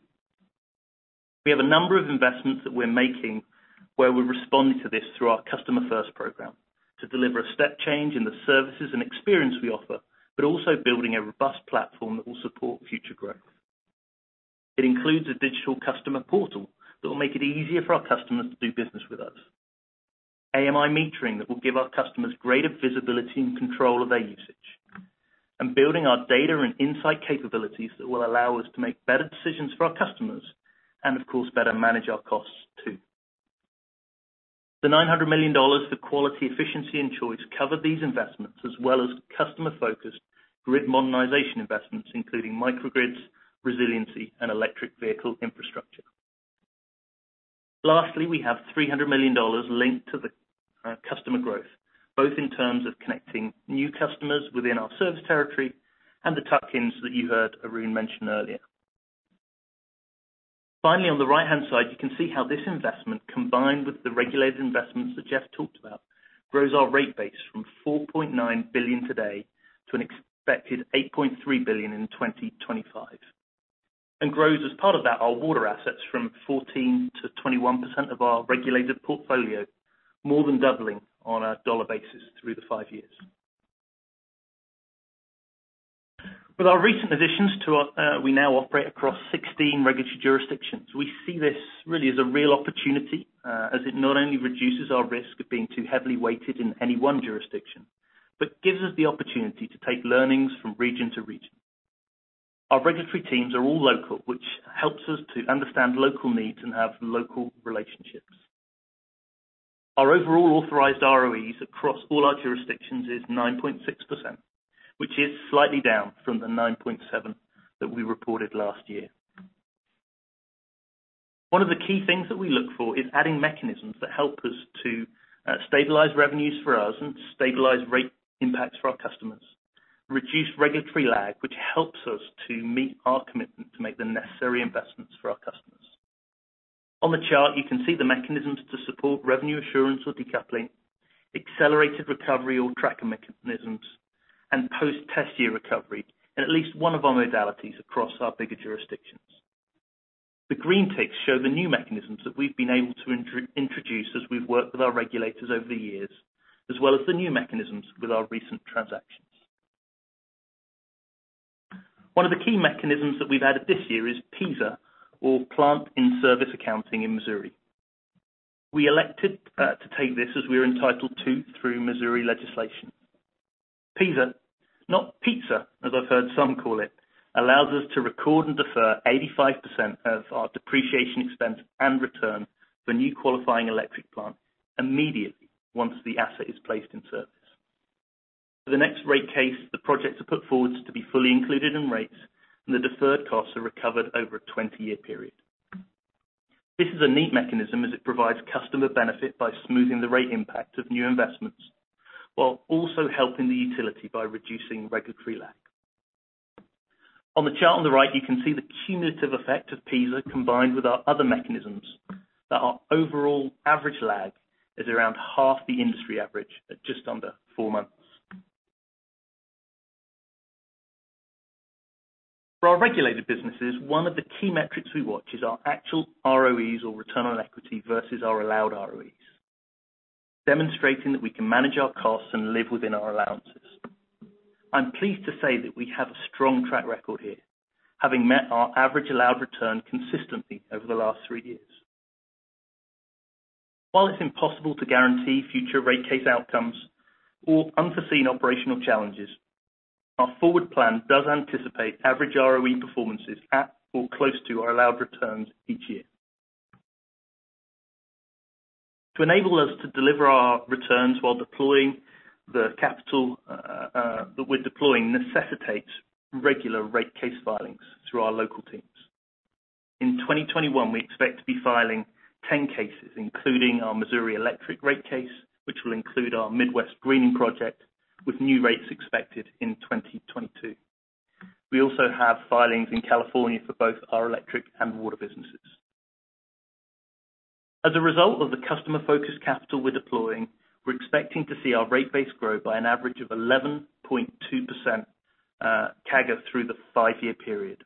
We have a number of investments that we're making where we're responding to this through our Customer First program to deliver a step change in the services and experience we offer, but also building a robust platform that will support future growth. It includes a digital customer portal that will make it easier for our customers to do business with us. AMI metering that will give our customers greater visibility and control of their usage. Building our data and insight capabilities that will allow us to make better decisions for our customers and of course, better manage our costs too. The 900 million dollars for quality, efficiency, and choice cover these investments as well as customer-focused grid modernization investments, including microgrids, resiliency, and electric vehicle infrastructure. We have 300 million dollars linked to the customer growth, both in terms of connecting new customers within our service territory and the tuck-ins that you heard Arun mention earlier. On the right-hand side, you can see how this investment, combined with the regulated investments that Jeff talked about, grows our rate base from 4.9 billion today to an expected 8.3 billion in 2025, and grows, as part of that, our water assets from 14%-21% of our regulated portfolio, more than doubling on a dollar basis through the five years. With our recent additions, we now operate across 16 regulatory jurisdictions. We see this really as a real opportunity, as it not only reduces our risk of being too heavily weighted in any one jurisdiction, but gives us the opportunity to take learnings from region to region. Our regulatory teams are all local, which helps us to understand local needs and have local relationships. Our overall authorized ROE across all our jurisdictions is 9.6%, which is slightly down from the 9.7% that we reported last year. One of the key things that we look for is adding mechanisms that help us to stabilize revenues for us and stabilize rate impacts for our customers, reduce regulatory lag, which helps us to meet our commitment to make the necessary investments for our customers. On the chart, you can see the mechanisms to support revenue assurance or decoupling, accelerated recovery or tracker mechanisms, and post-test year recovery in at least one of our modalities across our bigger jurisdictions. The green ticks show the new mechanisms that we've been able to introduce as we've worked with our regulators over the years, as well as the new mechanisms with our recent transactions. One of the key mechanisms that we've added this year is PISA, or Plant In Service Accounting in Missouri. We elected to take this as we are entitled to through Missouri legislation. PISA, not pizza, as I've heard some call it, allows us to record and defer 85% of our depreciation expense and return for new qualifying electric plant immediately once the asset is placed in service. For the next rate case, the projects are put forward to be fully included in rates, and the deferred costs are recovered over a 20-year period. This is a neat mechanism as it provides customer benefit by smoothing the rate impact of new investments, while also helping the utility by reducing regulatory lag. On the chart on the right, you can see the cumulative effect of PISA combined with our other mechanisms that our overall average lag is around half the industry average at just under four months. For our regulated businesses, one of the key metrics we watch is our actual ROEs or return on equity versus our allowed ROEs, demonstrating that we can manage our costs and live within our allowances. I'm pleased to say that we have a strong track record here, having met our average allowed return consistently over the last three years. While it's impossible to guarantee future rate case outcomes or unforeseen operational challenges, our forward plan does anticipate average ROE performances at or close to our allowed returns each year. To enable us to deliver our returns while deploying the capital that we're deploying necessitates regular rate case filings through our local teams. In 2021, we expect to be filing 10 cases, including our Missouri electric rate case, which will include our Midwest Greening project with new rates expected in 2022. We also have filings in California for both our electric and water businesses. As a result of the customer-focused capital we're deploying, we're expecting to see our rate base grow by an average of 11.2% CAGR through the five-year period.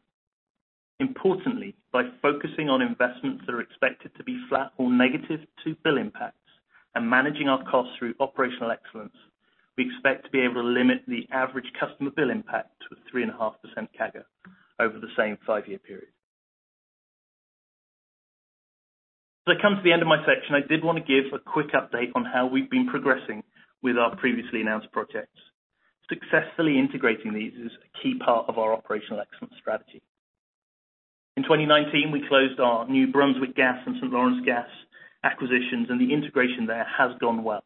Importantly, by focusing on investments that are expected to be flat or negative to bill impacts and managing our costs through operational excellence, we expect to be able to limit the average customer bill impact to 3.5% CAGR over the same five-year period. As I come to the end of my section, I did want to give a quick update on how we've been progressing with our previously announced projects. Successfully integrating these is a key part of our operational excellence strategy. In 2019, we closed our New Brunswick Gas and St. Lawrence Gas acquisitions. The integration there has gone well.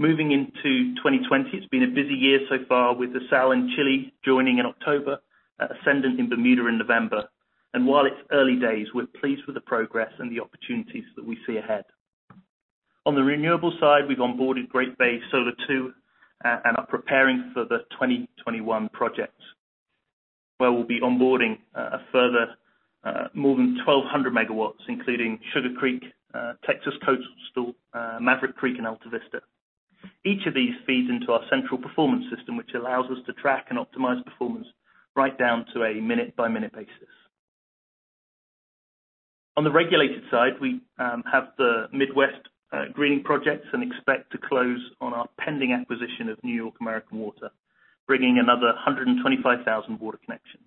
Moving into 2020, it's been a busy year so far with ESSAL in Chile joining in October, Ascendant in Bermuda in November. While it's early days, we're pleased with the progress and the opportunities that we see ahead. On the renewable side, we've onboarded Great Bay Solar 2 and are preparing for the 2021 project, where we'll be onboarding a further more than 1,200 MW, including Sugar Creek, Texas Coastal, Maverick Creek, and Alta Vista. Each of these feeds into our central performance system, which allows us to track and optimize performance right down to a minute-by-minute basis. On the regulated side, we have the Midwest Greening projects and expect to close on our pending acquisition of New York American Water, bringing another 125,000 water connections.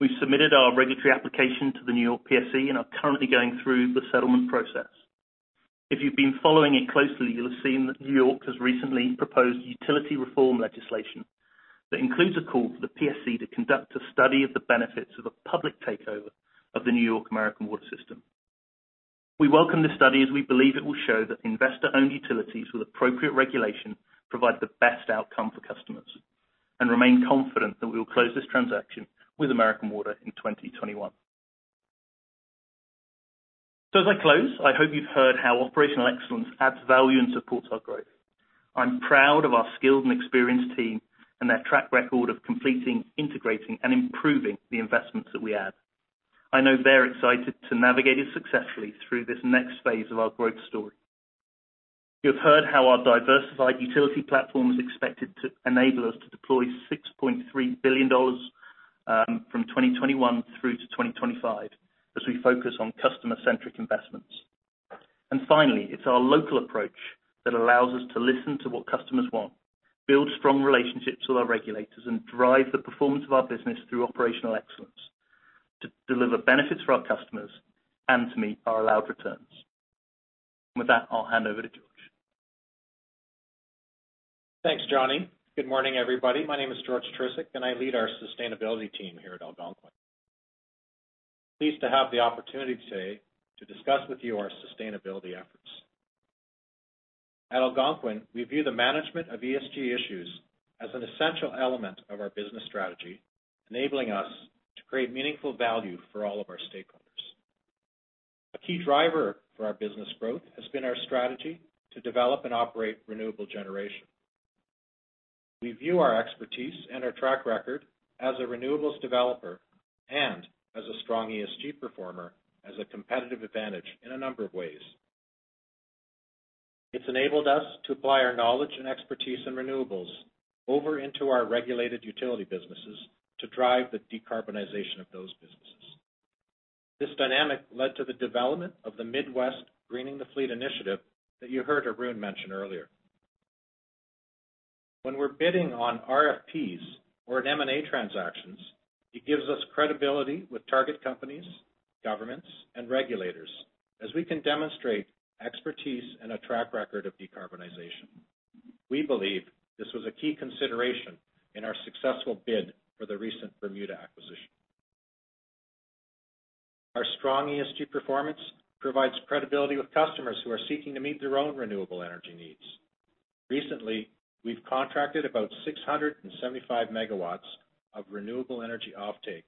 We've submitted our regulatory application to the New York PSC and are currently going through the settlement process. If you've been following it closely, you'll have seen that New York has recently proposed utility reform legislation that includes a call for the PSC to conduct a study of the benefits of a public takeover of the New York American Water system. We welcome this study as we believe it will show that investor-owned utilities with appropriate regulation provide the best outcome for customers and remain confident that we will close this transaction with American Water in 2021. As I close, I hope you've heard how operational excellence adds value and supports our growth. I'm proud of our skilled and experienced team and their track record of completing, integrating, and improving the investments that we add. I know they're excited to navigate us successfully through this next phase of our growth story. You have heard how our diversified utility platform is expected to enable us to deploy 6.3 billion dollars from 2021 through to 2025 as we focus on customer-centric investments. Finally, it's our local approach that allows us to listen to what customers want, build strong relationships with our regulators, and drive the performance of our business through operational excellence to deliver benefits for our customers and to meet our allowed returns. With that, I'll hand over to George. Thanks, Johnny. Good morning, everybody. My name is George Trisic. I lead our sustainability team here at Algonquin. Pleased to have the opportunity today to discuss with you our sustainability efforts. At Algonquin, we view the management of ESG issues as an essential element of our business strategy, enabling us to create meaningful value for all of our stakeholders. A key driver for our business growth has been our strategy to develop and operate renewable generation. We view our expertise and our track record as a renewables developer and as a strong ESG performer as a competitive advantage in a number of ways. It's enabled us to apply our knowledge and expertise in renewables over into our regulated utility businesses to drive the decarbonization of those businesses. This dynamic led to the development of the Midwest Greening the Fleet initiative that you heard Arun mention earlier. When we're bidding on RFPs or in M&A transactions, it gives us credibility with target companies, governments, and regulators, as we can demonstrate expertise and a track record of decarbonization. We believe this was a key consideration in our successful bid for the recent Bermuda acquisition. Our strong ESG performance provides credibility with customers who are seeking to meet their own renewable energy needs. Recently, we've contracted about 675 MW of renewable energy offtake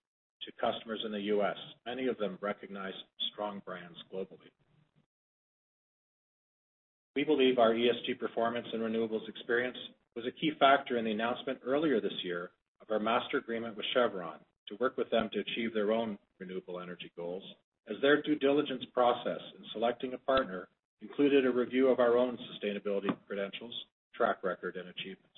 to customers in the U.S., many of them recognized, strong brands globally. We believe our ESG performance and renewables experience was a key factor in the announcement earlier this year of our master agreement with Chevron to work with them to achieve their own renewable energy goals, as their due diligence process in selecting a partner included a review of our own sustainability credentials, track record, and achievements.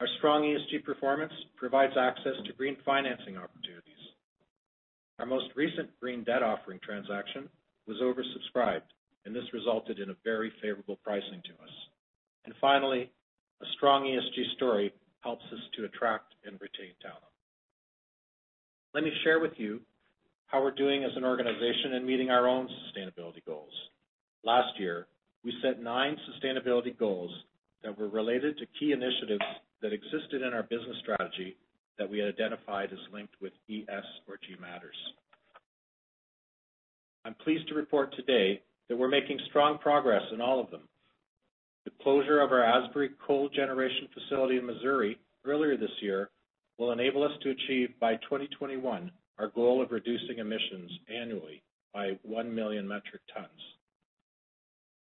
Our strong ESG performance provides access to green financing opportunities. Our most recent green debt offering transaction was oversubscribed, and this resulted in a very favorable pricing to us. Finally, a strong ESG story helps us to attract and retain talent. Let me share with you how we're doing as an organization in meeting our own sustainability goals. Last year, we set nine sustainability goals that were related to key initiatives that existed in our business strategy that we had identified as linked with ES or G matters. I'm pleased to report today that we're making strong progress in all of them. The closure of our Asbury coal generation facility in Missouri earlier this year will enable us to achieve, by 2021, our goal of reducing emissions annually by 1 million metric tons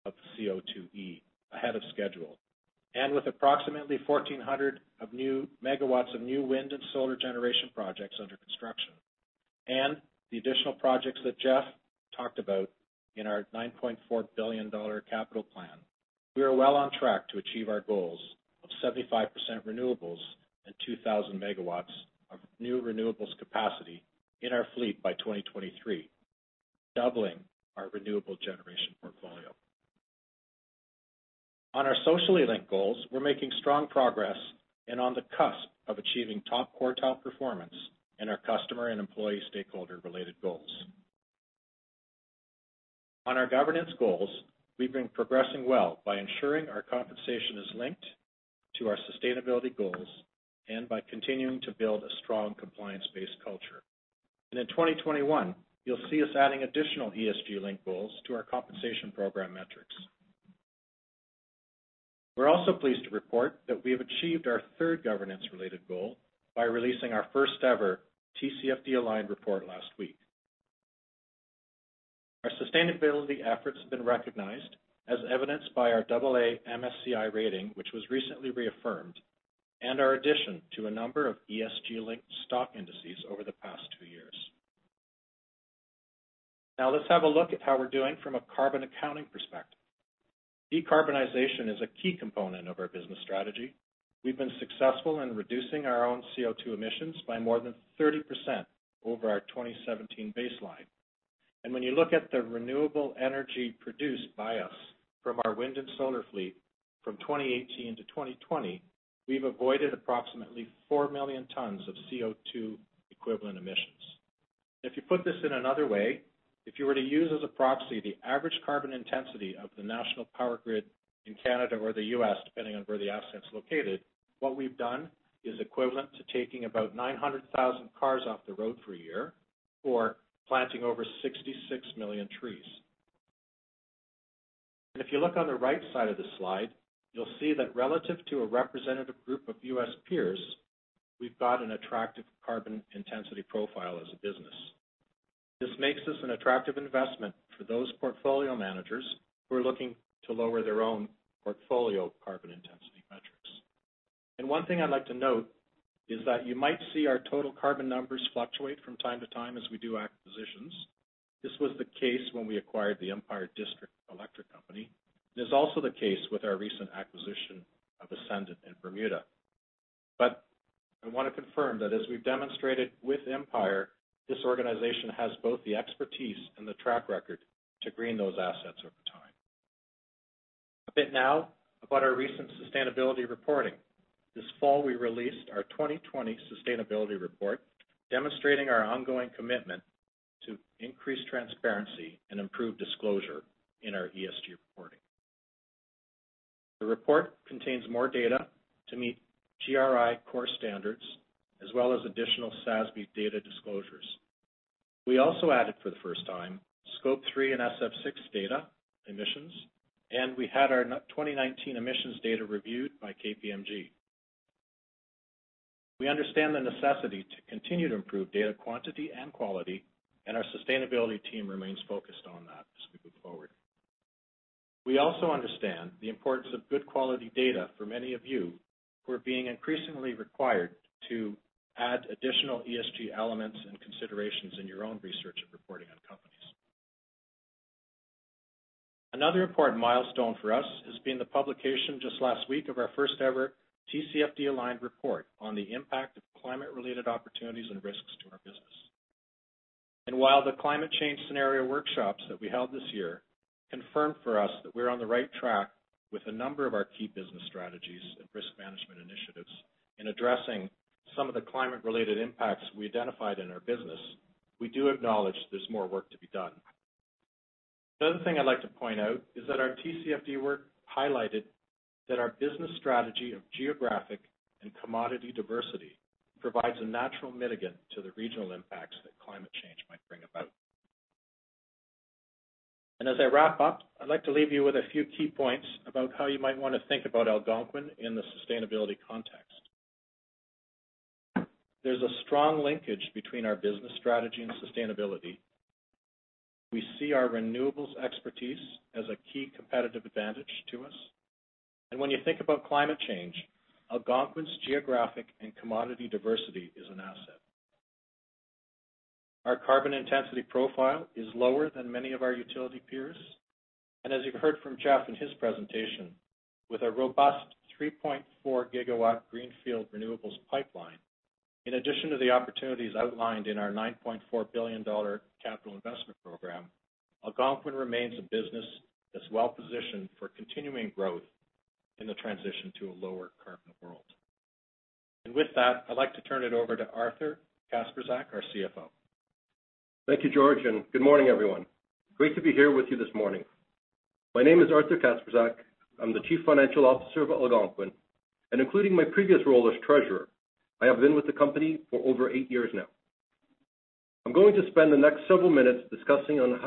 of CO2e ahead of schedule. With approximately 1,400 MW of new wind and solar generation projects under construction, and the additional projects that Jeff talked about in our 9.4 billion dollar capital plan, we are well on track to achieve our goals of 75% renewables and 2,000 MW of new renewables capacity in our fleet by 2023, doubling our renewable generation portfolio. On our socially linked goals, we're making strong progress and on the cusp of achieving top quartile performance in our customer and employee stakeholder-related goals. On our governance goals, we've been progressing well by ensuring our compensation is linked to our sustainability goals and by continuing to build a strong compliance-based culture. In 2021, you'll see us adding additional ESG-linked goals to our compensation program metrics. We're also pleased to report that we have achieved our third governance-related goal by releasing our first-ever TCFD-aligned report last week. Our sustainability efforts have been recognized as evidenced by our AA- MSCI rating, which was recently reaffirmed, and our addition to a number of ESG-linked stock indices over the past two years. Let's have a look at how we're doing from a carbon accounting perspective. Decarbonization is a key component of our business strategy. We've been successful in reducing our own CO2 emissions by more than 30% over our 2017 baseline. When you look at the renewable energy produced by us from our wind and solar fleet from 2018 to 2020, we've avoided approximately 4 million tons of CO2 equivalent emissions. If you put this in another way, if you were to use as a proxy the average carbon intensity of the national power grid in Canada or the U.S., depending on where the asset's located, what we've done is equivalent to taking about 900,000 cars off the road for a year or planting over 66 million trees. If you look on the right side of the slide, you'll see that relative to a representative group of U.S. peers, we've got an attractive carbon intensity profile as a business. This makes us an attractive investment for those portfolio managers who are looking to lower their own portfolio carbon intensity metrics. One thing I'd like to note is that you might see our total carbon numbers fluctuate from time to time as we do acquisitions. This was the case when we acquired The Empire District Electric Company. It is also the case with our recent acquisition of Ascendant in Bermuda. I want to confirm that as we've demonstrated with Empire, this organization has both the expertise and the track record to green those assets over time. A bit now about our recent sustainability reporting. This fall, we released our 2020 sustainability report, demonstrating our ongoing commitment to increase transparency and improve disclosure in our ESG reporting. The report contains more data to meet GRI core standards, as well as additional SASB data disclosures. We also added for the first time, Scope 3 and SF6 data emissions, and we had our 2019 emissions data reviewed by KPMG. We understand the necessity to continue to improve data quantity and quality, and our sustainability team remains focused on that as we move forward. We also understand the importance of good quality data for many of you who are being increasingly required to add additional ESG elements and considerations in your own research and reporting on companies. Another important milestone for us has been the publication just last week of our first-ever TCFD-aligned report on the impact of climate-related opportunities and risks to our business. While the climate change scenario workshops that we held this year confirmed for us that we're on the right track with a number of our key business strategies and risk management initiatives in addressing some of the climate-related impacts we identified in our business, we do acknowledge there's more work to be done. The other thing I'd like to point out is that our TCFD work highlighted that our business strategy of geographic and commodity diversity provides a natural mitigant to the regional impacts that climate change might bring about. As I wrap up, I'd like to leave you with a few key points about how you might want to think about Algonquin in the sustainability context. There's a strong linkage between our business strategy and sustainability. We see our renewables expertise as a key competitive advantage to us. When you think about climate change, Algonquin's geographic and commodity diversity is an asset. Our carbon intensity profile is lower than many of our utility peers. As you heard from Jeff in his presentation, with a robust 3.4 GW greenfield renewables pipeline, in addition to the opportunities outlined in our 9.4 billion dollar capital investment program, Algonquin remains a business that's well-positioned for continuing growth in the transition to a lower carbon world. With that, I'd like to turn it over to Arthur Kacprzak, our CFO. Thank you, George, and good morning, everyone. Great to be here with you this morning. My name is Arthur Kacprzak. I'm the Chief Financial Officer of Algonquin, and including my previous role as treasurer, I have been with the company for over eight years now. I'm going to spend the next several minutes discussing on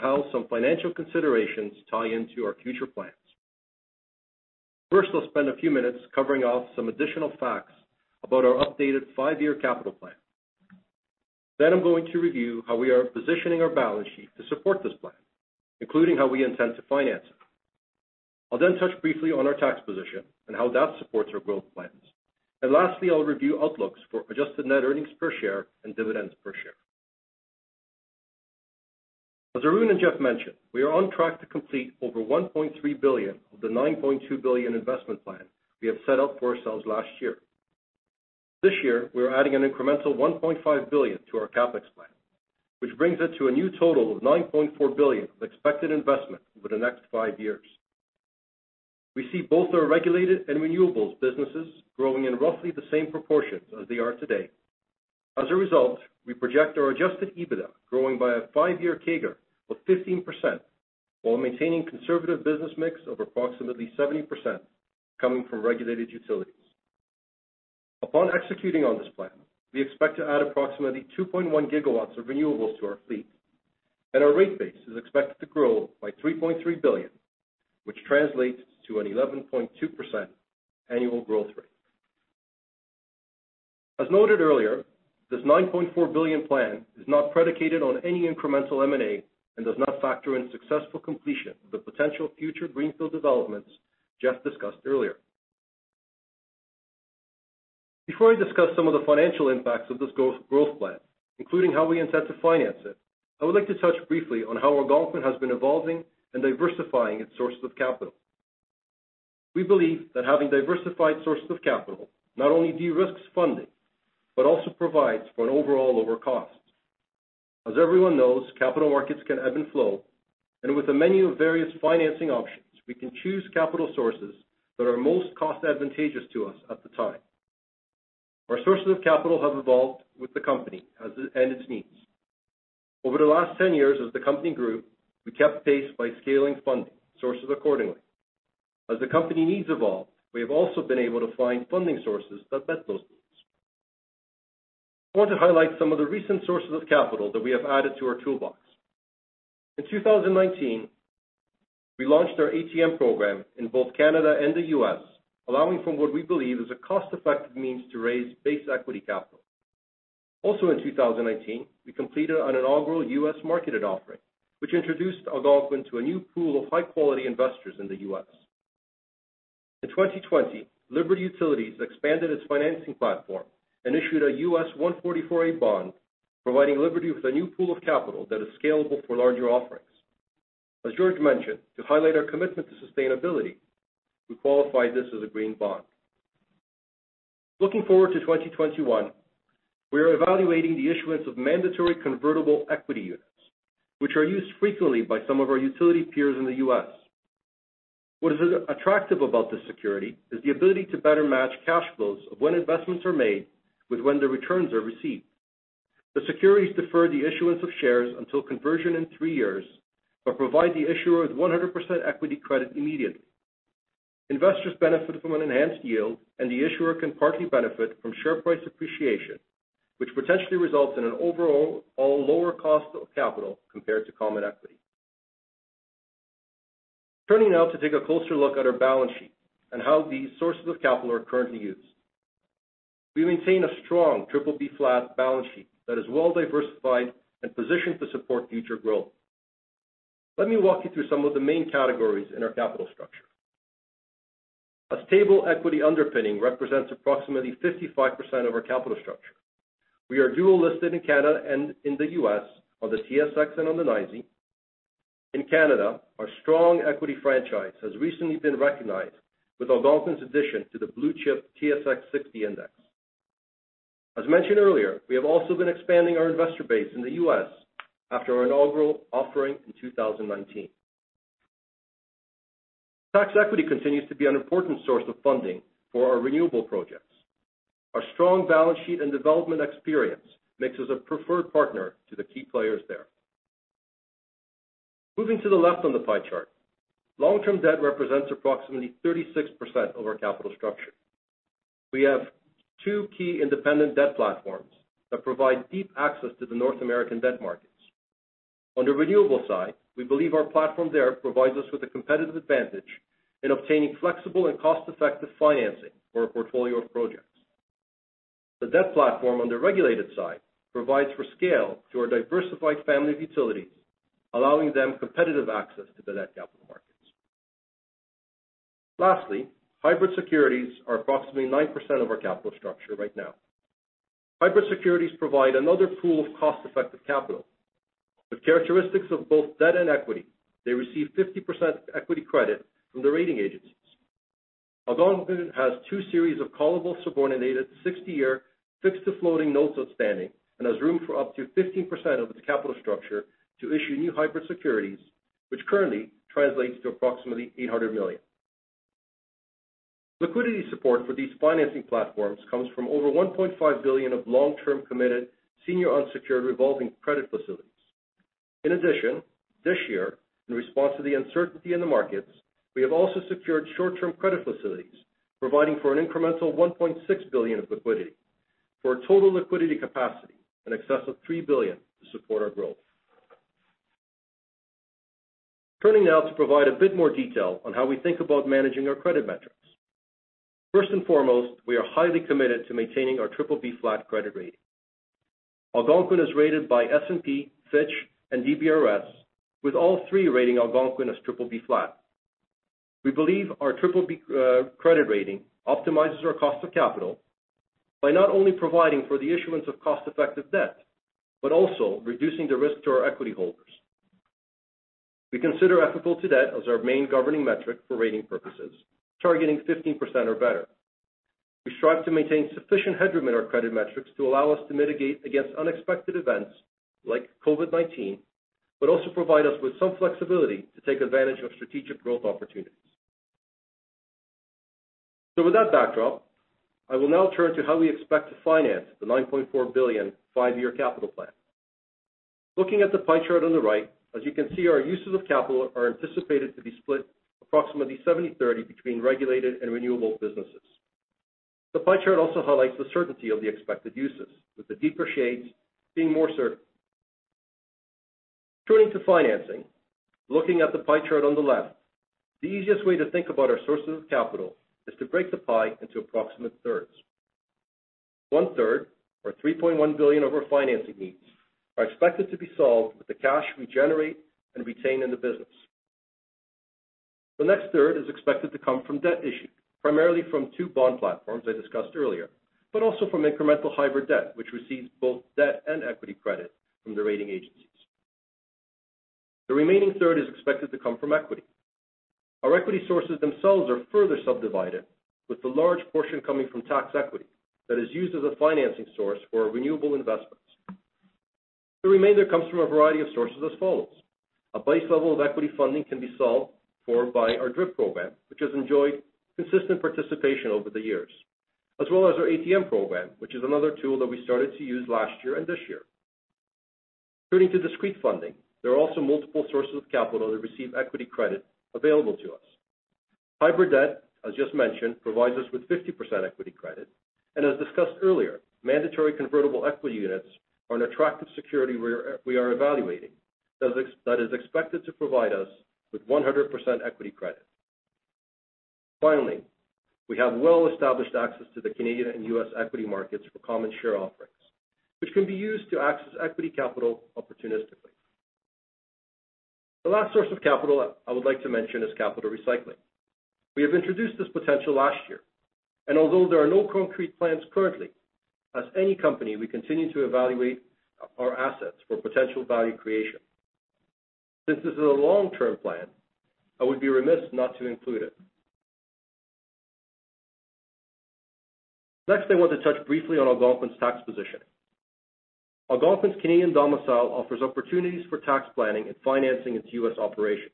how some financial considerations tie into our future plans. First, I'll spend a few minutes covering off some additional facts about our updated five-year capital plan. I'm going to review how we are positioning our balance sheet to support this plan, including how we intend to finance it. I'll then touch briefly on our tax position and how that supports our growth plans. Lastly, I'll review outlooks for adjusted net earnings per share and dividends per share. As Arun and Jeff mentioned, we are on track to complete over 1.3 billion of the 9.2 billion investment plan we have set out for ourselves last year. This year, we are adding an incremental 1.5 billion to our CapEx plan, which brings it to a new total of 9.4 billion of expected investment over the next five years. We see both our regulated and renewables businesses growing in roughly the same proportions as they are today. As a result, we project our adjusted EBITDA growing by a five-year CAGR of 15% while maintaining conservative business mix of approximately 70% coming from regulated utilities. Upon executing on this plan, we expect to add approximately 2.1 GW of renewables to our fleet, and our rate base is expected to grow by 3.3 billion, which translates to an 11.2% annual growth rate. As noted earlier, this 9.4 billion plan is not predicated on any incremental M&A and does not factor in successful completion of the potential future greenfield developments Jeff discussed earlier. Before I discuss some of the financial impacts of this growth plan, including how we intend to finance it, I would like to touch briefly on how Algonquin has been evolving and diversifying its sources of capital. We believe that having diversified sources of capital not only de-risks funding, but also provides for an overall lower cost. As everyone knows, capital markets can ebb and flow, and with a menu of various financing options, we can choose capital sources that are most cost-advantageous to us at the time. Our sources of capital have evolved with the company and its needs. Over the last 10 years as the company grew, we kept pace by scaling funding sources accordingly. As the company needs evolve, we have also been able to find funding sources that met those needs. I want to highlight some of the recent sources of capital that we have added to our toolbox. In 2019, we launched our ATM program in both Canada and the US, allowing from what we believe is a cost-effective means to raise base equity capital. Also in 2019, we completed an inaugural US-marketed offering, which introduced Algonquin to a new pool of high-quality investors in the US. In 2020, Liberty Utilities expanded its financing platform and issued a US 144A bond, providing Liberty with a new pool of capital that is scalable for larger offerings. As George mentioned, to highlight our commitment to sustainability, we qualify this as a green bond. Looking forward to 2021, we are evaluating the issuance of mandatory convertible equity units, which are used frequently by some of our utility peers in the U.S. What is attractive about this security is the ability to better match cash flows of when investments are made with when the returns are received. The securities defer the issuance of shares until conversion in three years, but provide the issuer with 100% equity credit immediately. Investors benefit from an enhanced yield, and the issuer can partly benefit from share price appreciation, which potentially results in an overall lower cost of capital compared to common equity. Turning now to take a closer look at our balance sheet and how these sources of capital are currently used. We maintain a strong BBB flat balance sheet that is well-diversified and positioned to support future growth. Let me walk you through some of the main categories in our capital structure. A stable equity underpinning represents approximately 55% of our capital structure. We are dual-listed in Canada and in the U.S. on the TSX and on the NYSE. In Canada, our strong equity franchise has recently been recognized with Algonquin's addition to the blue-chip TSX-60 Index. As mentioned earlier, we have also been expanding our investor base in the U.S. after our inaugural offering in 2019. Tax equity continues to be an important source of funding for our renewable projects. Our strong balance sheet and development experience makes us a preferred partner to the key players there. Moving to the left on the pie chart, long-term debt represents approximately 36% of our capital structure. We have two key independent debt platforms that provide deep access to the North American debt markets. On the renewable side, we believe our platform there provides us with a competitive advantage in obtaining flexible and cost-effective financing for our portfolio of projects. The debt platform on the regulated side provides for scale to our diversified family of utilities, allowing them competitive access to the net capital markets. Lastly, hybrid securities are approximately 9% of our capital structure right now. Hybrid securities provide another pool of cost-effective capital. With characteristics of both debt and equity, they receive 50% equity credit from the rating agencies. Algonquin has two series of callable subordinated 60-year fixed-to-floating notes outstanding and has room for up to 15% of its capital structure to issue new hybrid securities, which currently translates to approximately 800 million. Liquidity support for these financing platforms comes from over 1.5 billion of long-term committed senior unsecured revolving credit facilities. In addition, this year, in response to the uncertainty in the markets, we have also secured short-term credit facilities, providing for an incremental 1.6 billion of liquidity for a total liquidity capacity in excess of 3 billion to support our growth. Turning now to provide a bit more detail on how we think about managing our credit metrics. First and foremost, we are highly committed to maintaining our BBB flat credit rating. Algonquin is rated by S&P, Fitch, and DBRS, with all three rating Algonquin as BBB flat. We believe our BBB credit rating optimizes our cost of capital by not only providing for the issuance of cost-effective debt, but also reducing the risk to our equity holders. We consider applicable to debt as our main governing metric for rating purposes, targeting 15% or better. We strive to maintain sufficient headroom in our credit metrics to allow us to mitigate against unexpected events like COVID-19, but also provide us with some flexibility to take advantage of strategic growth opportunities. With that backdrop, I will now turn to how we expect to finance the 9.4 billion five-year capital plan. Looking at the pie chart on the right, as you can see, our uses of capital are anticipated to be split approximately 70/30 between regulated and renewable businesses. The pie chart also highlights the certainty of the expected uses, with the deeper shades being more certain. Turning to financing. Looking at the pie chart on the left, the easiest way to think about our sources of capital is to break the pie into approximate thirds. One third, or 3.1 billion of our financing needs, are expected to be solved with the cash we generate and retain in the business. The next third is expected to come from debt issued, primarily from two bond platforms I discussed earlier, but also from incremental hybrid debt, which receives both debt and equity credit from the rating agencies. The remaining third is expected to come from equity. Our equity sources themselves are further subdivided, with the large portion coming from tax equity that is used as a financing source for our renewable investments. The remainder comes from a variety of sources as follows. A base level of equity funding can be solved for by our DRIP program, which has enjoyed consistent participation over the years, as well as our ATM program, which is another tool that we started to use last year and this year. Turning to discrete funding, there are also multiple sources of capital that receive equity credit available to us. Hybrid debt, as just mentioned, provides us with 50% equity credit, and as discussed earlier, mandatory convertible equity units are an attractive security we are evaluating that is expected to provide us with 100% equity credit. We have well-established access to the Canadian and U.S. equity markets for common share offerings, which can be used to access equity capital opportunistically. The last source of capital I would like to mention is capital recycling. We have introduced this potential last year, and although there are no concrete plans currently, as any company, we continue to evaluate our assets for potential value creation. Since this is a long-term plan, I would be remiss not to include it. Next, I want to touch briefly on Algonquin's tax position. Algonquin's Canadian domicile offers opportunities for tax planning and financing its U.S. operations.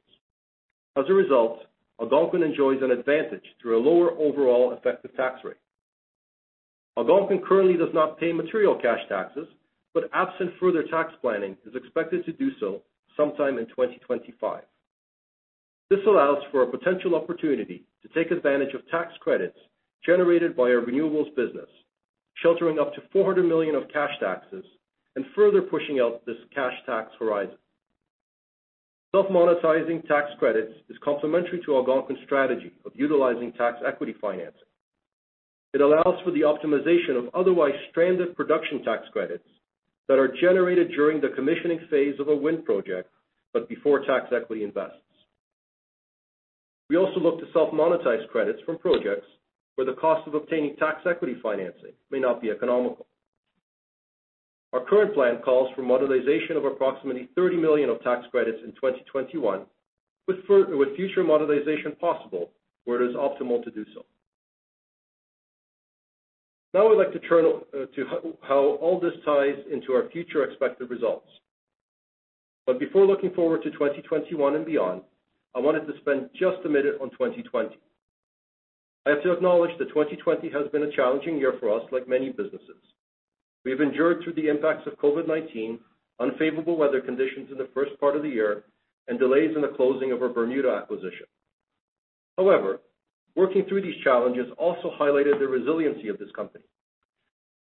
As a result, Algonquin enjoys an advantage through a lower overall effective tax rate. Algonquin currently does not pay material cash taxes, but absent further tax planning, is expected to do so sometime in 2025. This allows for a potential opportunity to take advantage of tax credits generated by our renewables business, sheltering up to 400 million of cash taxes and further pushing out this cash tax horizon. Self-monetizing tax credits is complementary to Algonquin's strategy of utilizing tax equity financing. It allows for the optimization of otherwise stranded Production Tax Credits that are generated during the commissioning phase of a wind project, but before tax equity invests. We also look to self-monetize credits from projects where the cost of obtaining tax equity financing may not be economical. Our current plan calls for monetization of approximately 30 million of tax credits in 2021, with future monetization possible where it is optimal to do so. I'd like to turn to how all this ties into our future expected results. Before looking forward to 2021 and beyond, I wanted to spend just a minute on 2020. I have to acknowledge that 2020 has been a challenging year for us, like many businesses. We have endured through the impacts of COVID-19, unfavorable weather conditions in the first part of the year, and delays in the closing of our Bermuda acquisition. Working through these challenges also highlighted the resiliency of this company.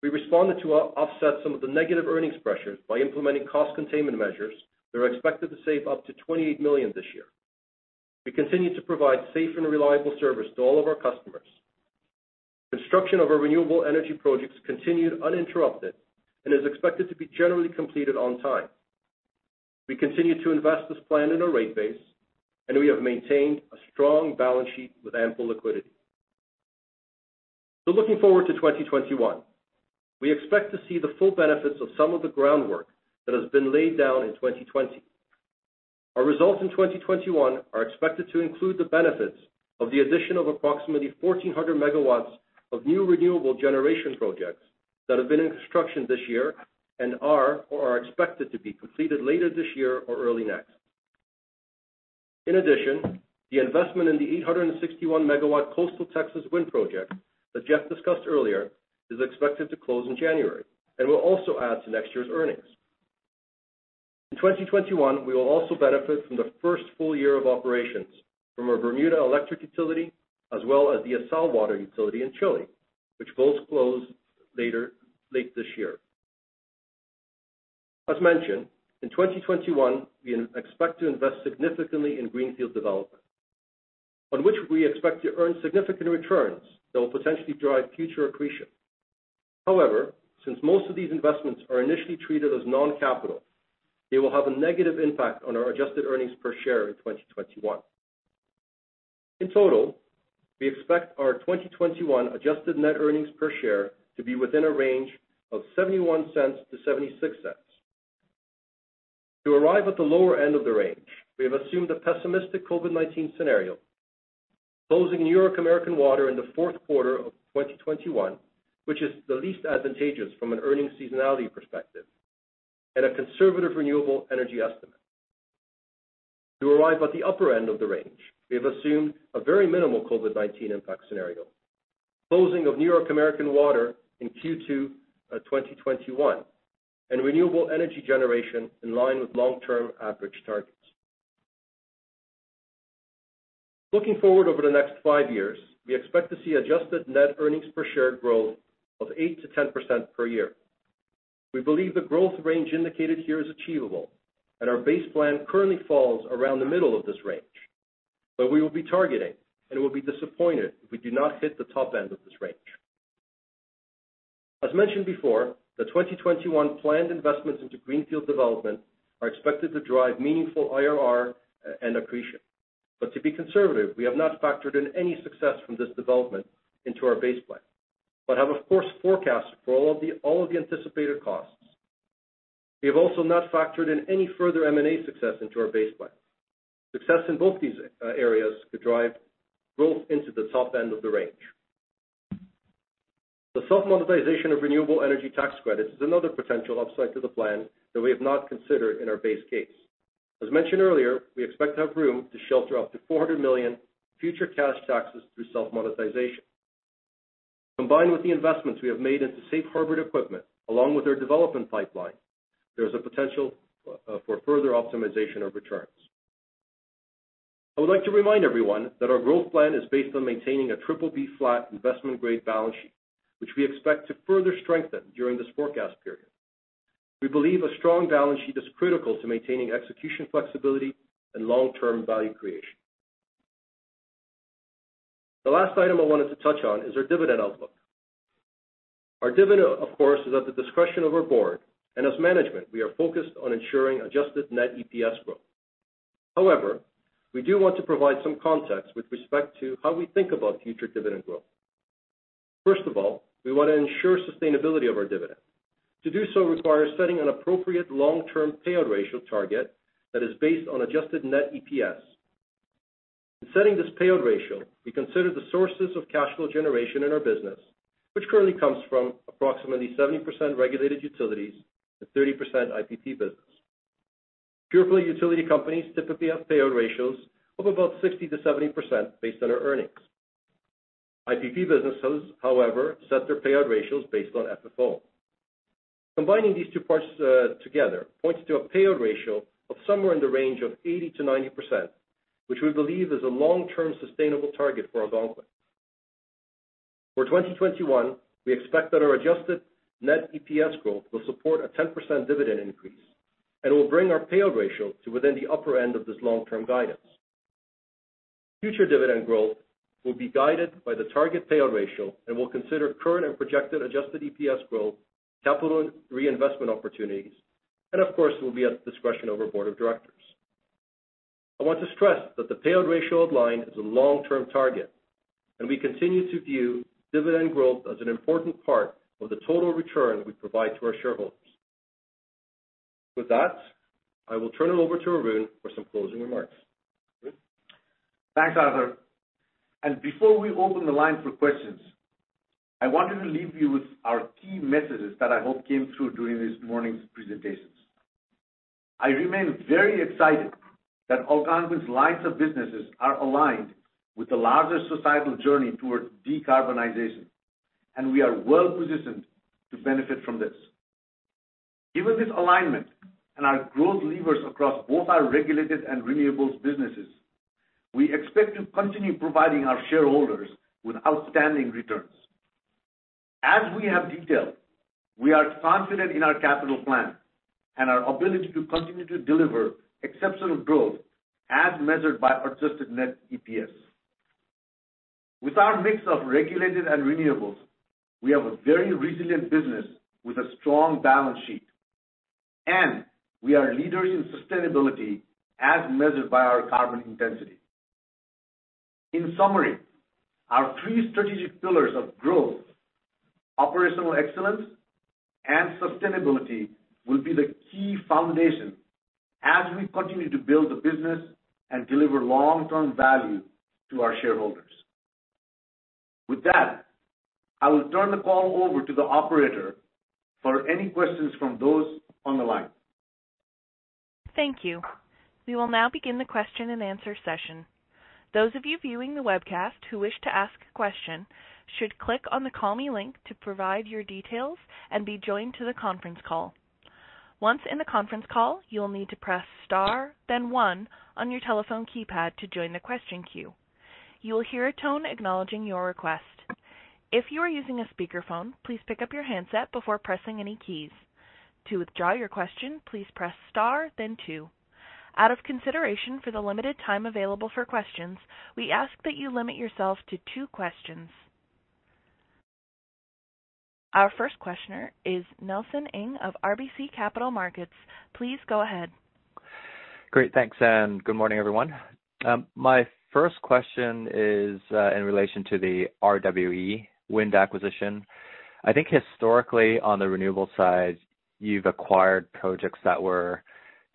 We responded to offset some of the negative earnings pressures by implementing cost containment measures that are expected to save up to 28 million this year. We continue to provide safe and reliable service to all of our customers. Construction of our renewable energy projects continued uninterrupted and is expected to be generally completed on time. We continue to invest as planned in our rate base, and we have maintained a strong balance sheet with ample liquidity. Looking forward to 2021, we expect to see the full benefits of some of the groundwork that has been laid down in 2020. Our results in 2021 are expected to include the benefits of the addition of approximately 1,400 MW of new renewable generation projects that have been in construction this year and are or are expected to be completed later this year or early next. In addition, the investment in the 861 MW coastal Texas wind project that Jeff discussed earlier is expected to close in January and will also add to next year's earnings. In 2021, we will also benefit from the first full year of operations from our Bermuda electric utility as well as the ESSAL water utility in Chile, which both close late this year. As mentioned, in 2021, we expect to invest significantly in greenfield development, on which we expect to earn significant returns that will potentially drive future accretion. However, since most of these investments are initially treated as non-capital, they will have a negative impact on our adjusted earnings per share in 2021. In total, we expect our 2021 adjusted net earnings per share to be within a range of 0.71-0.76. To arrive at the lower end of the range, we have assumed a pessimistic COVID-19 scenario, closing New York American Water in the fourth quarter of 2021, which is the least advantageous from an earnings seasonality perspective, and a conservative renewable energy estimate. To arrive at the upper end of the range, we have assumed a very minimal COVID-19 impact scenario, closing of New York American Water in Q2 2021, and renewable energy generation in line with long-term average targets. Looking forward over the next five years, we expect to see adjusted net earnings per share growth of 8%-10% per year. We believe the growth range indicated here is achievable, and our base plan currently falls around the middle of this range. We will be targeting and will be disappointed if we do not hit the top end of this range. As mentioned before, the 2021 planned investments into greenfield development are expected to drive meaningful IRR and accretion. To be conservative, we have not factored in any success from this development into our base plan, but have, of course, forecasted for all of the anticipated costs. We have also not factored in any further M&A success into our base plan. Success in both these areas could drive growth into the top end of the range. The self-monetization of renewable energy tax credits is another potential upside to the plan that we have not considered in our base case. As mentioned earlier, we expect to have room to shelter up to 400 million future cash taxes through self-monetization. Combined with the investments we have made into safe harbor equipment, along with our development pipeline, there is a potential for further optimization of returns. I would like to remind everyone that our growth plan is based on maintaining a BBB flat investment-grade balance sheet, which we expect to further strengthen during this forecast period. We believe a strong balance sheet is critical to maintaining execution flexibility and long-term value creation. The last item I wanted to touch on is our dividend outlook. Our dividend, of course, is at the discretion of our board, and as management, we are focused on ensuring adjusted net EPS growth. We do want to provide some context with respect to how we think about future dividend growth. First of all, we want to ensure sustainability of our dividend. To do so requires setting an appropriate long-term payout ratio target that is based on adjusted net EPS. In setting this payout ratio, we consider the sources of cash flow generation in our business, which currently comes from approximately 70% regulated utilities and 30% IPP business. Pure-play utility companies typically have payout ratios of about 60%-70% based on our earnings. IPP businesses, however, set their payout ratios based on FFO. Combining these two parts together points to a payout ratio of somewhere in the range of 80%-90%, which we believe is a long-term sustainable target for Algonquin. For 2021, we expect that our adjusted net EPS growth will support a 10% dividend increase and will bring our payout ratio to within the upper end of this long-term guidance. Future dividend growth will be guided by the target payout ratio and will consider current and projected adjusted EPS growth, capital reinvestment opportunities, and of course, will be at the discretion of our board of directors. I want to stress that the payout ratio outlined is a long-term target, and we continue to view dividend growth as an important part of the total return we provide to our shareholders. With that, I will turn it over to Arun for some closing remarks. Arun? Thanks, Arthur. Before we open the line for questions, I wanted to leave you with our key messages that I hope came through during this morning's presentations. I remain very excited that Algonquin's lines of businesses are aligned with the larger societal journey towards decarbonization, and we are well-positioned to benefit from this. Given this alignment and our growth levers across both our regulated and renewables businesses, we expect to continue providing our shareholders with outstanding returns. As we have detailed, we are confident in our capital plan and our ability to continue to deliver exceptional growth as measured by adjusted net EPS. With our mix of regulated and renewables, we have a very resilient business with a strong balance sheet, and we are leaders in sustainability as measured by our carbon intensity. In summary, our three strategic pillars of growth, operational excellence, and sustainability will be the key foundation as we continue to build the business and deliver long-term value to our shareholders. With that, I will turn the call over to the operator for any questions from those on the line. Thank you. We will now begin the question and answer session. Those of you viewing the webcast who wish to ask a question should click on the Call Me link to provide your details and be joined to the conference call. Once in the conference call, you will need to press star then one on your telephone keypad to join the question queue. You will hear a tone acknowledging your request. If you are using a speakerphone, please pick up your handset before pressing any keys. To widraw your question, please press star, then two. Out of consideration for the limited time available for questions, we ask that you limit yourself to two questions. Our first questioner is Nelson Ng of RBC Capital Markets. Please go ahead. Great. Thanks, good morning, everyone. My first question is in relation to the RWE wind acquisition. I think historically on the renewable side, you've acquired projects that were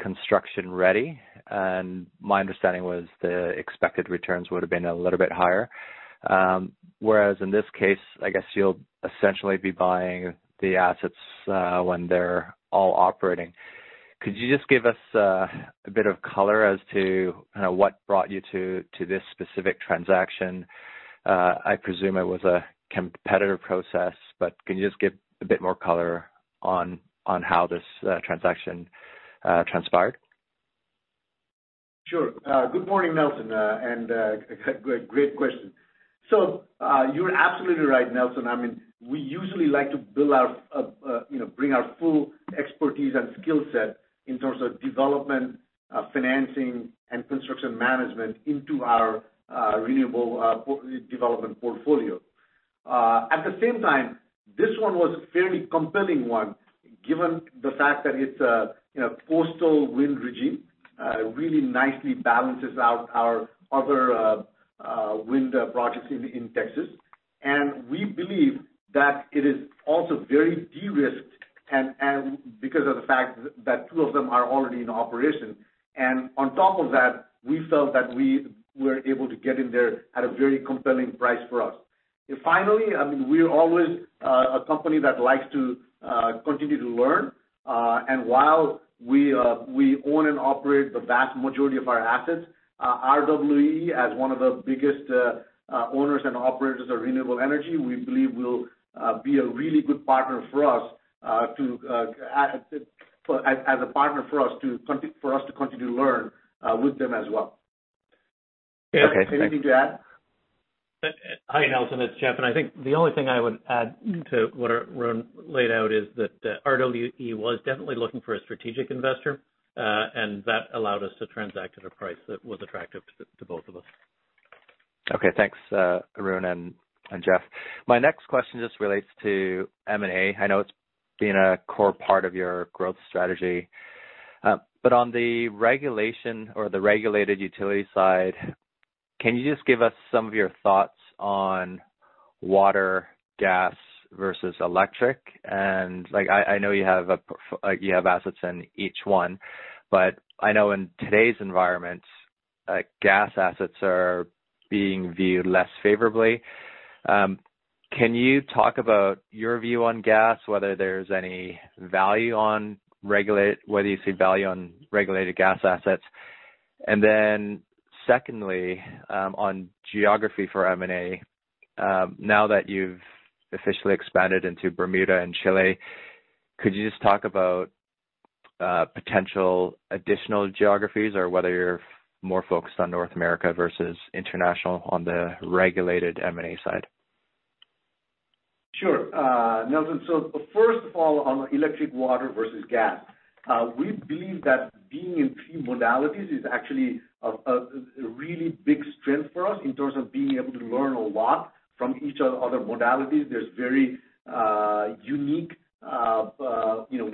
construction-ready, and my understanding was the expected returns would have been a little bit higher. Whereas in this case, I guess you'll essentially be buying the assets when they're all operating. Could you just give us a bit of color as to what brought you to this specific transaction? I presume it was a competitor process, but can you just give a bit more color on how this transaction transpired? Sure. Good morning, Nelson, great question. You're absolutely right, Nelson. We usually like to bring our full expertise and skill set in terms of development, financing, and construction management into our renewable development portfolio. At the same time, this one was a fairly compelling one given the fact that it's a coastal wind regime. It really nicely balances out our other wind projects in Texas. We believe that it is also very de-risked because of the fact that two of them are already in operation. On top of that, we felt that we were able to get in there at a very compelling price for us. Finally, we are always a company that likes to continue to learn. While we own and operate the vast majority of our assets, RWE, as one of the biggest owners and operators of renewable energy, we believe will be a really good partner as a partner for us to continue to learn with them as well. Okay, thanks. Jeff, anything to add? Hi, Nelson, it's Jeff, and I think the only thing I would add to what Arun laid out is that RWE was definitely looking for a strategic investor, and that allowed us to transact at a price that was attractive to both of us. Okay, thanks, Arun and Jeff. My next question just relates to M&A. I know it's been a core part of your growth strategy. On the regulation or the regulated utility side, can you just give us some of your thoughts on water, gas versus electric? I know you have assets in each one, but I know in today's environment, gas assets are being viewed less favorably. Can you talk about your view on gas, whether you see value on regulated gas assets? Secondly, on geography for M&A. Now that you've officially expanded into Bermuda and Chile, could you just talk about potential additional geographies or whether you're more focused on North America versus international on the regulated M&A side? Nelson, first of all, on electric water versus gas. We believe that being in three modalities is actually a really big strength for us in terms of being able to learn a lot from each other modalities. There's very unique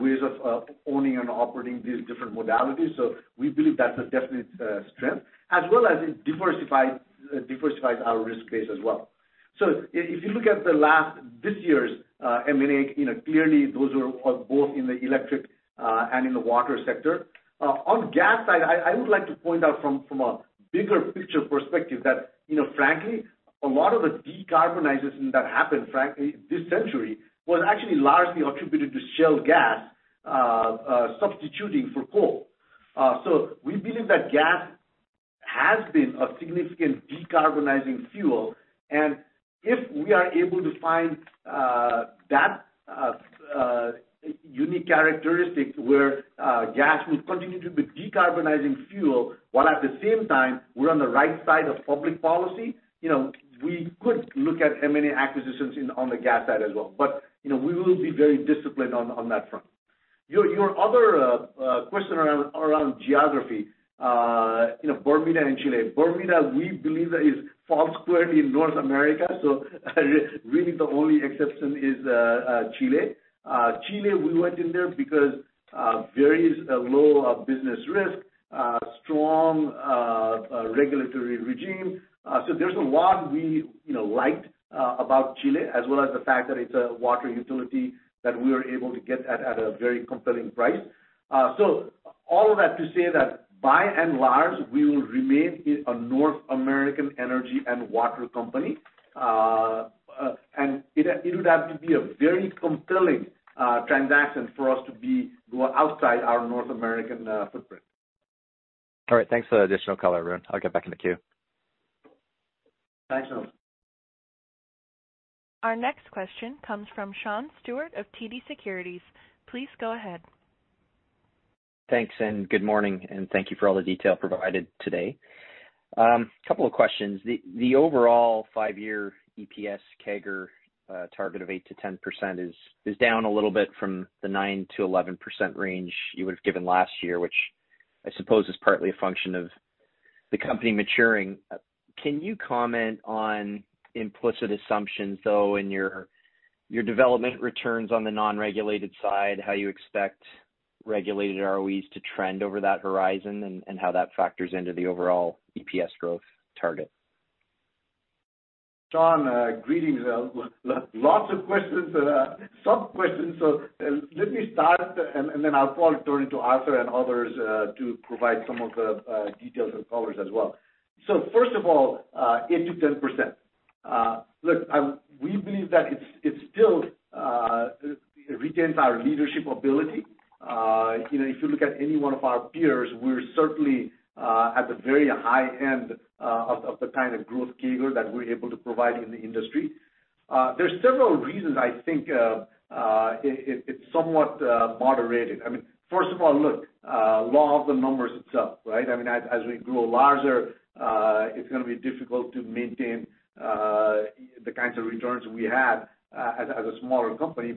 ways of owning and operating these different modalities. We believe that's a definite strength, as well as it diversifies our risk base as well. If you look at this year's M&A, clearly those are both in the electric and in the water sector. On gas side, I would like to point out from a bigger picture perspective that, frankly, a lot of the decarbonization that happened, frankly, this century, was actually largely attributed to shale gas substituting for coal. We believe that gas has been a significant decarbonizing fuel. If we are able to find that unique characteristic where gas will continue to be decarbonizing fuel, while at the same time we're on the right side of public policy, we could look at M&A acquisitions on the gas side as well. We will be very disciplined on that front. Your other question around geography, Bermuda and Chile. Bermuda, we believe that it falls squarely in North America. Really the only exception is Chile. Chile, we went in there because very low business risk, strong regulatory regime. There's a lot we liked about Chile, as well as the fact that it's a water utility that we were able to get at a very compelling price. All of that to say that by and large, we will remain a North American energy and water company. It would have to be a very compelling transaction for us to be outside our North American footprint. All right, thanks for the additional color, Arun. I'll get back in the queue. Thanks, Nelson. Our next question comes from Sean Steuart of TD Securities. Please go ahead. Thanks, and good morning, and thank you for all the detail provided today. Couple of questions. The overall five-year EPS CAGR target of 8%-10% is down a little bit from the 9%-11% range you would've given last year, which I suppose is partly a function of the company maturing. Can you comment on implicit assumptions, though, in your development returns on the non-regulated side, how you expect regulated ROEs to trend over that horizon, and how that factors into the overall EPS growth target? Sean, greetings. Lots of questions. Sub-questions. Let me start and then I'll probably turn to Arthur and others to provide some of the details and colors as well. First of all, 8%-10%. Look, we believe that it still retains our leadership ability. If you look at any one of our peers, we're certainly at the very high end of the kind of growth CAGR that we're able to provide in the industry. There's several reasons I think it's somewhat moderated. First of all, look, law of the numbers itself, right? As we grow larger, it's going to be difficult to maintain the kinds of returns we had as a smaller company.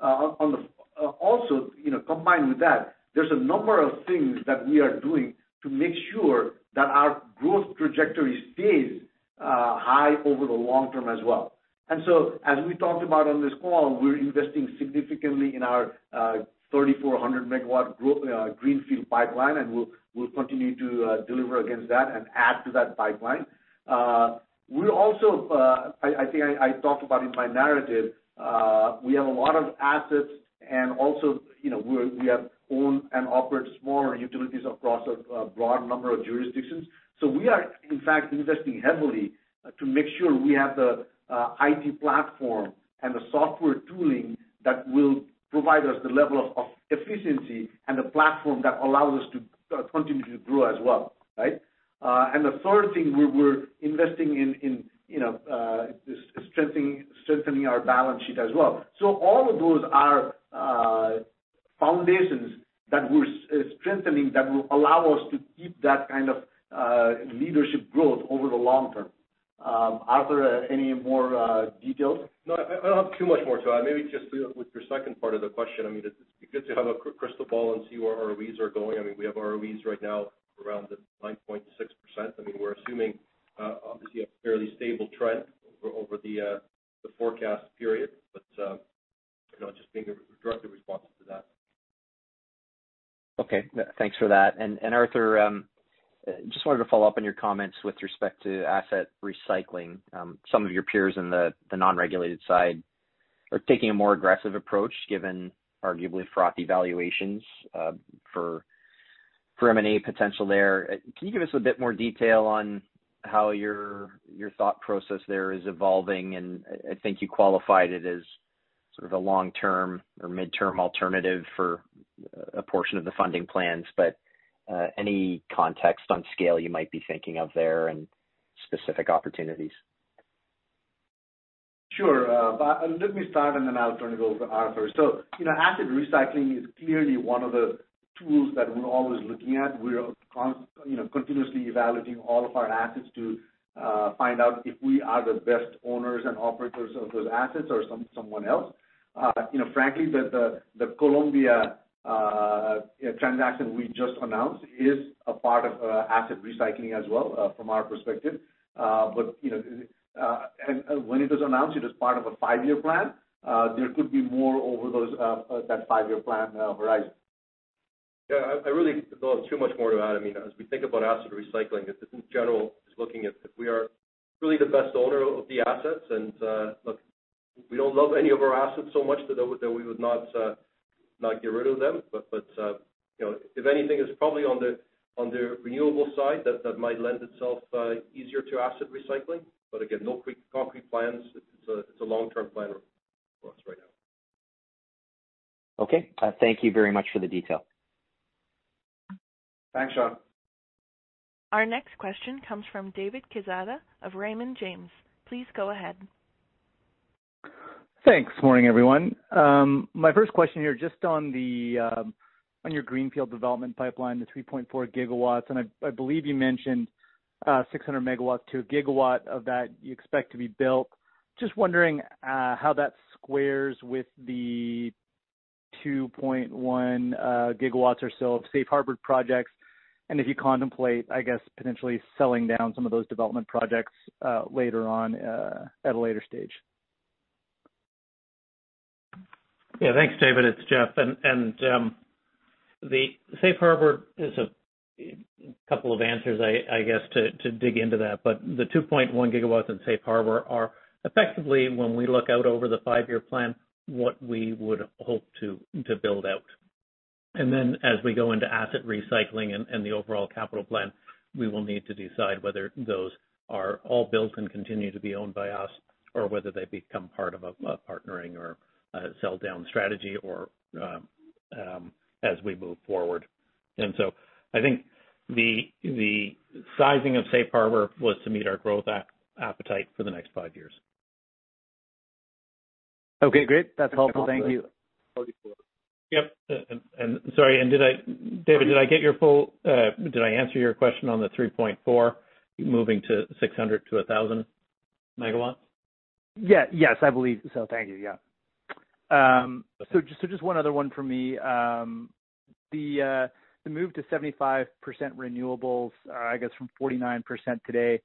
Also, combined with that, there's a number of things that we are doing to make sure that our growth trajectory stays high over the long term as well. As we talked about on this call, we're investing significantly in our 3,400 MW growth Greenfield pipeline, and we'll continue to deliver against that and add to that pipeline. I think I talked about in my narrative, we have a lot of assets and also we have owned and operate smaller utilities across a broad number of jurisdictions. We are, in fact, investing heavily to make sure we have the IT platform and the software tooling that will provide us the level of efficiency and the platform that allows us to continue to grow as well, right? The third thing, we're investing in strengthening our balance sheet as well. All of those are foundations that we're strengthening that will allow us to keep that kind of leadership growth over the long term. Arthur, any more details? No, I don't have too much more to add. Maybe just with your second part of the question. It's because you have a crystal ball and see where ROEs are going. We have ROEs right now around the 9.6%. We're assuming, obviously, a fairly stable trend over the forecast period, just being a direct response to that. Okay. Thanks for that. Arthur, just wanted to follow up on your comments with respect to asset recycling. Some of your peers in the non-regulated side are taking a more aggressive approach, given arguably frothy valuations for M&A potential there. Can you give us a bit more detail on how your thought process there is evolving? I think you qualified it as sort of a long-term or mid-term alternative for a portion of the funding plans. Any context on scale you might be thinking of there and specific opportunities? Sure. Let me start, and then I'll turn it over to Arthur. Asset recycling is clearly one of the tools that we're always looking at. We're continuously evaluating all of our assets to find out if we are the best owners and operators of those assets or someone else. Frankly, the Columbia transaction we just announced is a part of asset recycling as well, from our perspective. When it is announced, it is part of a five-year plan. There could be more over that five-year plan horizon. Yeah, I really don't have too much more to add. As we think about asset recycling, this, in general, is looking at if we are really the best owner of the assets. Look, we don't love any of our assets so much that we would not get rid of them. If anything, it's probably on the renewable side that might lend itself easier to asset recycling. Again, no concrete plans. It's a long-term plan for us right now. Okay. Thank you very much for the detail. Thanks, Sean. Our next question comes from David Quezada of Raymond James. Please go ahead. Thanks. Morning, everyone. My first question here, just on your greenfield development pipeline, the 3.4 GW. I believe you mentioned 600 MW to a gigawatt of that you expect to be built. Just wondering how that squares with the 2.1 GW or so of Safe Harbor projects, and if you contemplate, I guess, potentially selling down some of those development projects later on at a later stage. Yeah. Thanks, David. It's Jeff. The Safe Harbor is a couple of answers, I guess, to dig into that. The 2.1 GW in Safe Harbor are effectively, when we look out over the five-year plan, what we would hope to build out. Then as we go into asset recycling and the overall capital plan, we will need to decide whether those are all built and continue to be owned by us, or whether they become part of a partnering or a sell-down strategy as we move forward. I think the sizing of Safe Harbor was to meet our growth appetite for the next five years. Okay, great. That's helpful. Thank you. Yep. Sorry, David, did I answer your question on the 3.4 moving to 600 to 1,000 MW? Yes, I believe so. Thank you. Yeah. Just one other one for me. The move to 75% renewables, I guess, from 49% today.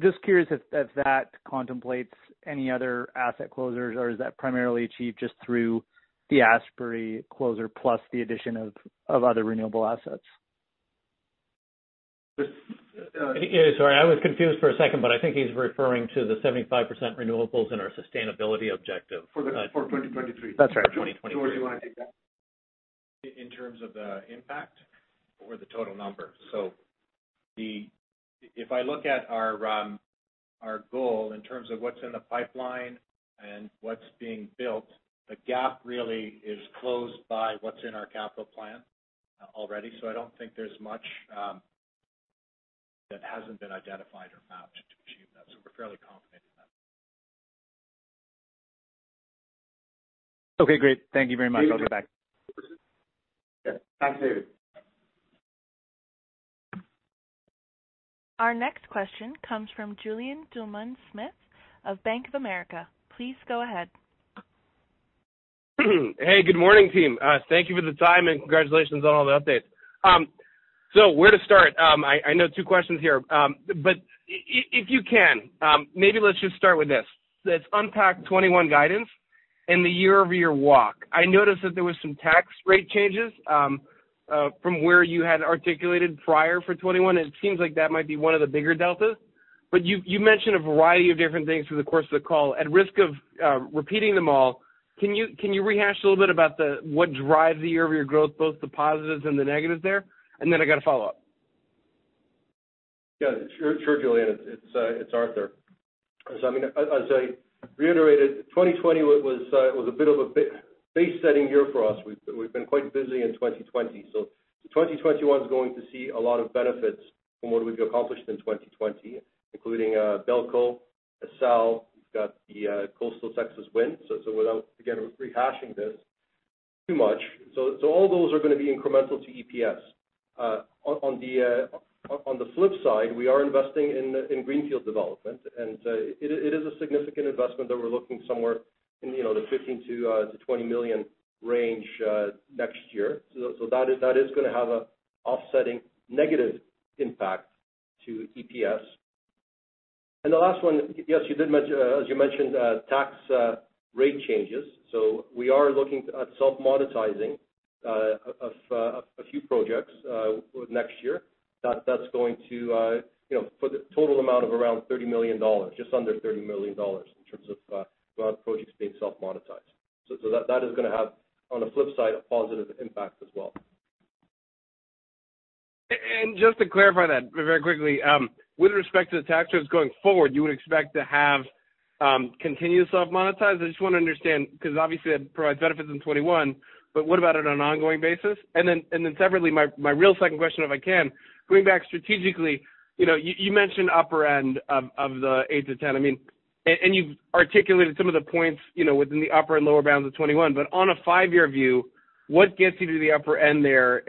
Just curious if that contemplates any other asset closures, or is that primarily achieved just through the Asbury closure plus the addition of other renewable assets? Sorry, I was confused for a second, but I think he's referring to the 75% renewables in our sustainability objective. For 2023. That's right. 2023. George, you want to take that? In terms of the impact or the total number. If I look at our goal in terms of what's in the pipeline and what's being built, the gap really is closed by what's in our capital plan already. I don't think there's much that hasn't been identified or mapped to achieve that. We're fairly confident in that. Okay, great. Thank you very much. I'll get back. Yeah. Thanks, David. Our next question comes from Julien Dumoulin-Smith of Bank of America. Please go ahead. Hey, good morning, team. Thank you for the time, and congratulations on all the updates. Where to start? I know two questions here. If you can, maybe let's just start with this. Let's unpack 2021 guidance and the year-over-year walk. I noticed that there was some tax rate changes from where you had articulated prior for 2021. It seems like that might be one of the bigger deltas. You mentioned a variety of different things through the course of the call. At risk of repeating them all, can you rehash a little bit about what drives the year-over-year growth, both the positives and the negatives there? Then I got a follow-up. Yeah, sure, Julien. It's Arthur. As I reiterated, 2020 was a bit of a base-setting year for us. We've been quite busy in 2020. 2021 is going to see a lot of benefits from what we've accomplished in 2020, including BELCO, ESSAL, we've got the Coastal Texas Wind. Without, again, rehashing this too much. All those are going to be incremental to EPS. On the flip side, we are investing in greenfield development, and it is a significant investment that we're looking somewhere in the 15 million-20 million range next year. That is going to have an offsetting negative impact to EPS. The last one, yes, as you mentioned, tax rate changes. We are looking at self-monetizing a few projects next year. That's going to, for the total amount of around 30 million dollars, just under 30 million dollars in terms of projects being self-monetized. That is going to have, on the flip side, a positive impact as well. Just to clarify that very quickly, with respect to the tax rates going forward, you would expect to have continuous self-monetize? I just want to understand, because obviously that provides benefits in 2021, but what about on an ongoing basis? Separately, my real second question, if I can, going back strategically, you mentioned upper end of the eight to 10. You've articulated some of the points, within the upper and lower bounds of 2021. On a five-year view, what gets you to the upper end there?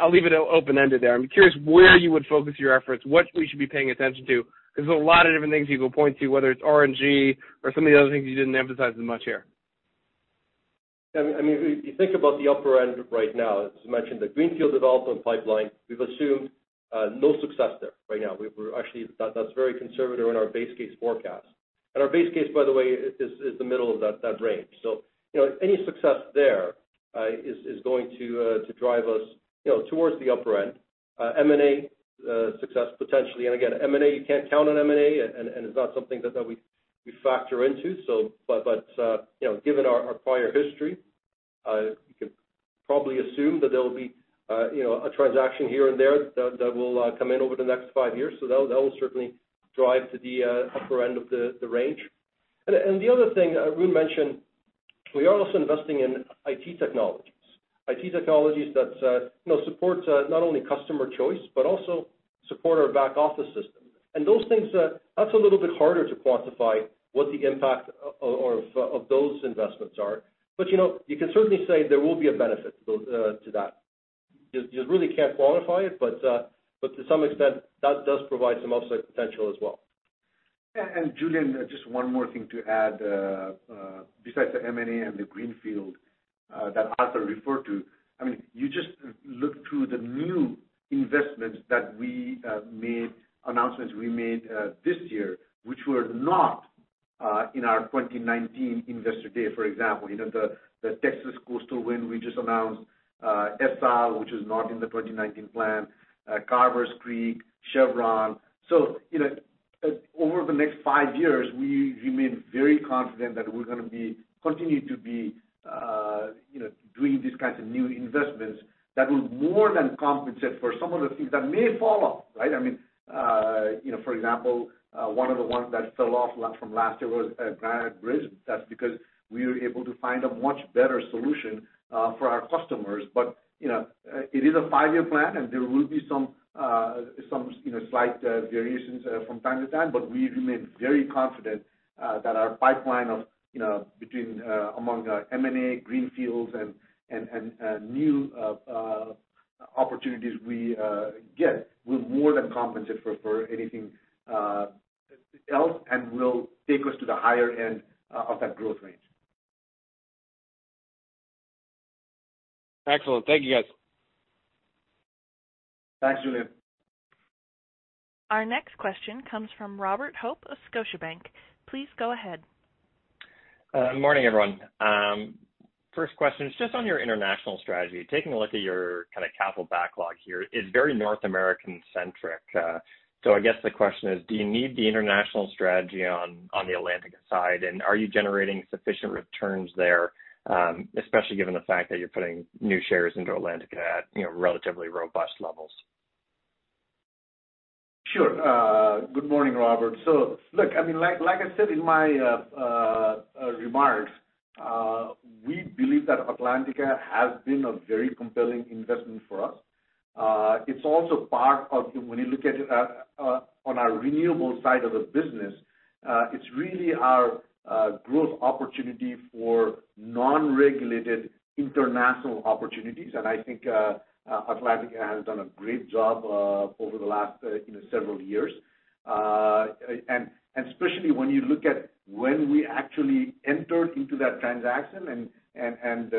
I'll leave it open-ended there. I'm curious where you would focus your efforts, what we should be paying attention to, because there's a lot of different things you could point to, whether it's RNG or some of the other things you didn't emphasize as much here. If you think about the upper end right now, as mentioned, the greenfield development pipeline, we've assumed no success there right now. Actually, that's very conservative in our base case forecast. Our base case, by the way, is the middle of that range. Any success there is going to drive us towards the upper end. M&A success, potentially. Again, M&A, you can't count on M&A, and it's not something that we factor into. Given our prior history, you could probably assume that there will be a transaction here and there that will come in over the next five years. That will certainly drive to the upper end of the range. The other thing Arun mentioned, we are also investing in IT technologies. IT technologies that support not only customer choice, but also support our back office system. Those things, that's a little bit harder to quantify what the impact of those investments are. You can certainly say there will be a benefit to that. You really can't quantify it, but to some extent, that does provide some upside potential as well. Julien, just one more thing to add. Besides the M&A and the greenfield that Arthur referred to, you just look through the new investments that we made, announcements we made this year, which were not in our 2019 investor day, for example. The Texas Coastal Wind we just announced, ESSAL, which is not in the 2019 plan, Carvers Creek, Chevron. Over the next five years, we remain very confident that we're going to continue to be doing these kinds of new investments that will more than compensate for some of the things that may fall off, right? For example, one of the ones that fell off from last year was Granite Bridge. That's because we were able to find a much better solution for our customers. It is a five-year plan, and there will be some slight variations from time to time, but we remain very confident that our pipeline among M&A, greenfields, and new opportunities we get will more than compensate for anything else and will take us to the higher end of that growth range. Excellent. Thank you, guys. Thanks, Julien. Our next question comes from Robert Hope of Scotiabank. Please go ahead. Morning, everyone. First question is just on your international strategy. Taking a look at your capital backlog here, it's very North American-centric. I guess the question is, do you need the international strategy on the Atlantica side? Are you generating sufficient returns there, especially given the fact that you're putting new shares into Atlantica at relatively robust levels? Sure. Good morning, Robert. Look, like I said in my remarks, we believe that Atlantica has been a very compelling investment for us. It's also part of when you look at it on our renewables side of the business, it's really our growth opportunity for non-regulated international opportunities. I think Atlantica has done a great job over the last several years. Especially when you look at when we actually entered into that transaction and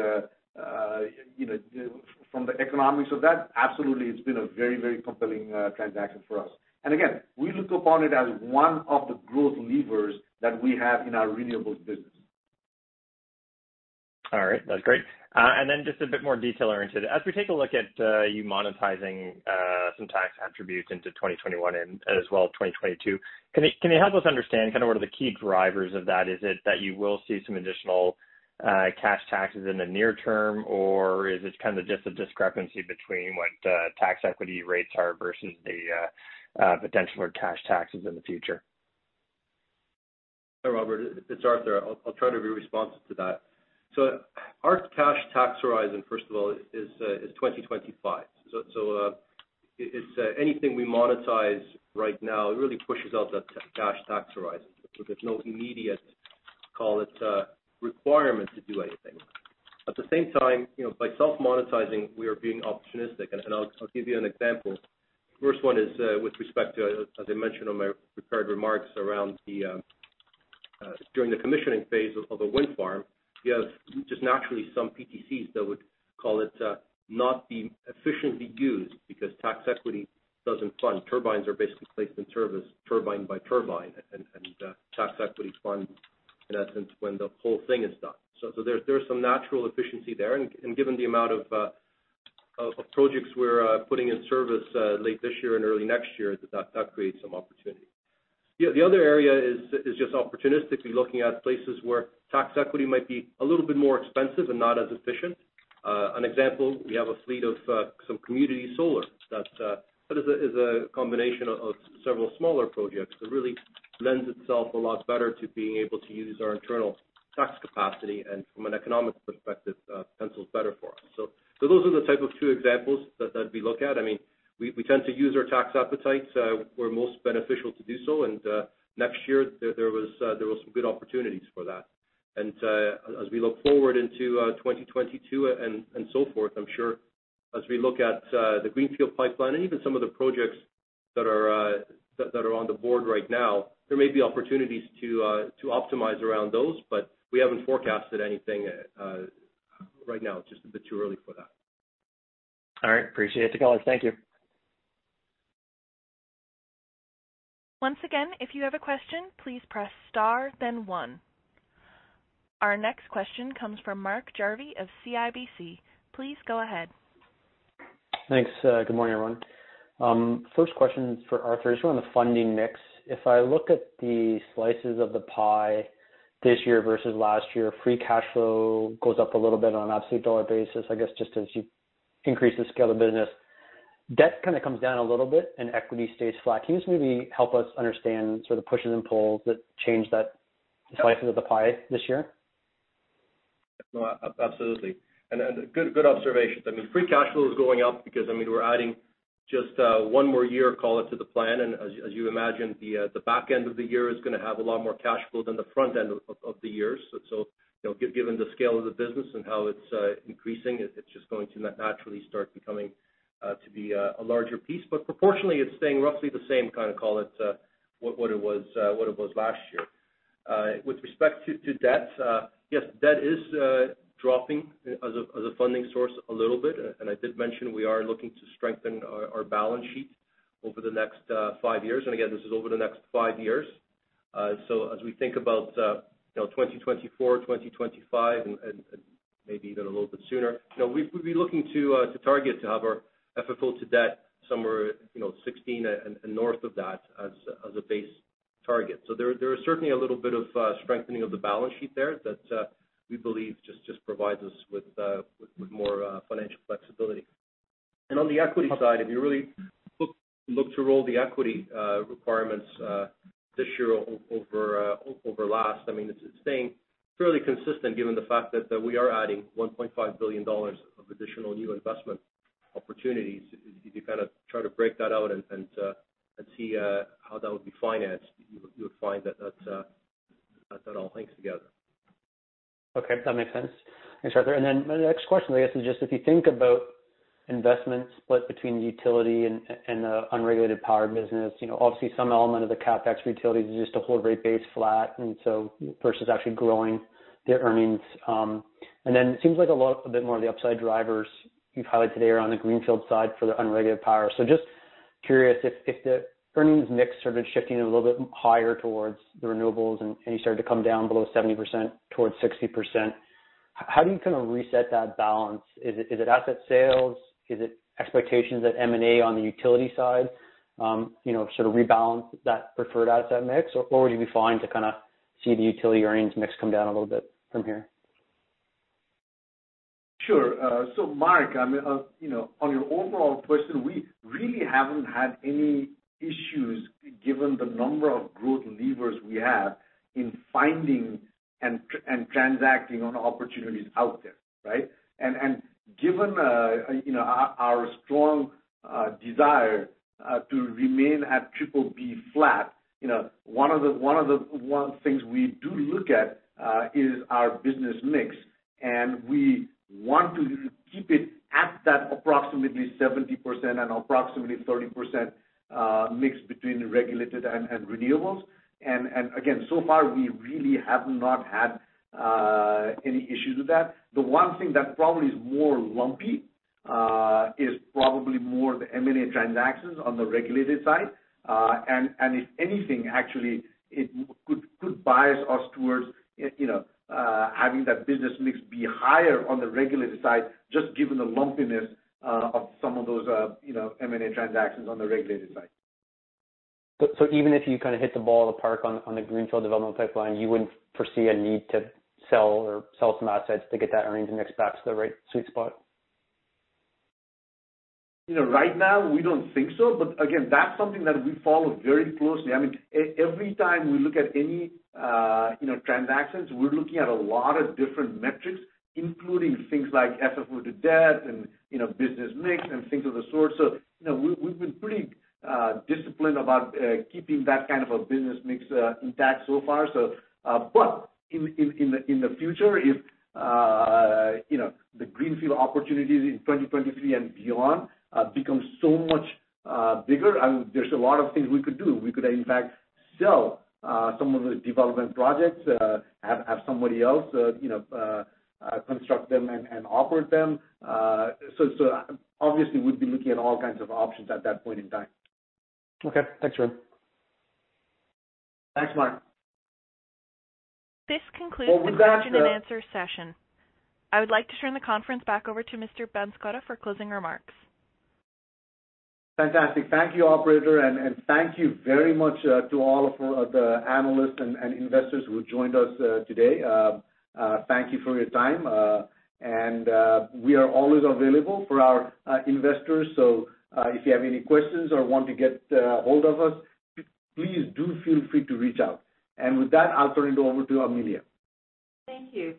from the economics of that, absolutely, it's been a very compelling transaction for us. Again, we look upon it as one of the growth levers that we have in our renewables business. All right. That's great. Just a bit more detail-oriented. As we take a look at you monetizing some tax attributes into 2021 and as well 2022, can you help us understand what are the key drivers of that? Is it that you will see some additional cash taxes in the near term, or is this just a discrepancy between what tax equity rates are versus the potential for cash taxes in the future? Hi, Robert. It's Arthur. I'll try to be responsive to that. Our cash tax horizon, first of all, is 2025. Anything we monetize right now, it really pushes out that cash tax horizon. There's no immediate, call it, requirement to do anything. At the same time, by self-monetizing, we are being opportunistic, and I'll give you an example. First one is with respect to, as I mentioned on my prepared remarks around during the commissioning phase of a wind farm, you have just naturally some PTCs that would, call it, not be efficiently used because tax equity doesn't fund. Turbines are basically placed in service turbine by turbine, tax equity funds, in essence, when the whole thing is done. There's some natural efficiency there, given the amount of projects we're putting in service late this year and early next year, that creates some opportunity. The other area is just opportunistically looking at places where tax equity might be a little bit more expensive and not as efficient. An example, we have a fleet of some community solar that is a combination of several smaller projects that really lends itself a lot better to being able to use our internal tax capacity, and from an economic perspective, pencils better for us. Those are the type two examples that we look at. We tend to use our tax appetite where most beneficial to do so, and next year, there was some good opportunities for that. As we look forward into 2022 and so forth, I am sure as we look at the greenfield pipeline and even some of the projects that are on the board right now, there may be opportunities to optimize around those, but we haven't forecasted anything right now. It's just a bit too early for that. All right. Appreciate the color. Thank you. Once again, if you have a question, please press star then one. Our next question comes from Mark Jarvi of CIBC. Please go ahead. Thanks. Good morning, everyone. First question is for Arthur. Just around the funding mix. If I look at the slices of the pie this year versus last year, free cash flow goes up a little bit on an absolute CAD dollar basis, I guess, just as you increase the scale of business. Debt kind of comes down a little bit and equity stays flat. Can you just maybe help us understand sort of pushes and pulls that change that slices of the pie this year? No, absolutely. Good observations. Free cash flow is going up because we're adding just one more year, call it, to the plan. As you imagine, the back end of the year is going to have a lot more cash flow than the front end of the year. Given the scale of the business and how it's increasing, it's just going to naturally start becoming to be a larger piece. Proportionally, it's staying roughly the same, call it, what it was last year. With respect to debt, yes, debt is dropping as a funding source a little bit, and I did mention we are looking to strengthen our balance sheet over the next five years. Again, this is over the next five years. As we think about 2024, 2025, and maybe even a little bit sooner, we'd be looking to target to have our FFO to debt somewhere 16 and north of that as a base target. There is certainly a little bit of strengthening of the balance sheet there that we believe just provides us with more financial flexibility. On the equity side, if you really look to roll the equity requirements this year over last, it's staying fairly consistent given the fact that we are adding 1.5 billion dollars of additional new investment opportunities. If you kind of try to break that out and see how that would be financed, you would find that that all hangs together. Okay. That makes sense. Thanks, Arthur. My next question, I guess, is just if you think about investments split between the utility and the unregulated power business, obviously some element of the CapEx for utilities is just to hold rate base flat, and so versus actually growing their earnings. It seems like a lot, a bit more of the upside drivers you've highlighted today are on the greenfield side for the unregulated power. Just curious if the earnings mix started shifting a little bit higher towards the renewables and you started to come down below 70% towards 60%, how do you kind of reset that balance? Is it asset sales? Is it expectations that M&A on the utility side sort of rebalance that preferred asset mix? Would you be fine to kind of see the utility earnings mix come down a little bit from here? Sure. Mark, on your overall question, we really haven't had any issues given the number of growth levers we have in finding and transacting on opportunities out there, right? Given our strong desire to remain at BBB flat, one of the things we do look at is our business mix, and we want to keep it at that approximately 70% and approximately 30% mix between regulated and renewables. Again, so far, we really have not had any issues with that. The one thing that probably is more lumpy is probably more the M&A transactions on the regulated side. If anything, actually, it could bias us towards having that business mix be higher on the regulated side, just given the lumpiness of some of those M&A transactions on the regulated side. Even if you kind of hit the ball out of the park on the greenfield development pipeline, you wouldn't foresee a need to sell some assets to get that earnings mix back to the right sweet spot? Right now, we don't think so. Again, that's something that we follow very closely. Every time we look at any transactions, we're looking at a lot of different metrics, including things like FFO to debt and business mix and things of the sort. We've been pretty disciplined about keeping that kind of a business mix intact so far. In the future, if the greenfield opportunities in 2023 and beyond become so much bigger, there's a lot of things we could do. We could, in fact, sell some of the development projects, have somebody else construct them and operate them. Obviously, we'd be looking at all kinds of options at that point in time. Okay. Thanks, Arun. Thanks, Mark. This concludes the question and answer session. I would like to turn the conference back over to Mr. Banskota for closing remarks. Fantastic. Thank you, operator. Thank you very much to all of the analysts and investors who joined us today. Thank you for your time. We are always available for our investors. If you have any questions or want to get a hold of us, please do feel free to reach out. With that, I'll turn it over to Amelia. Thank you.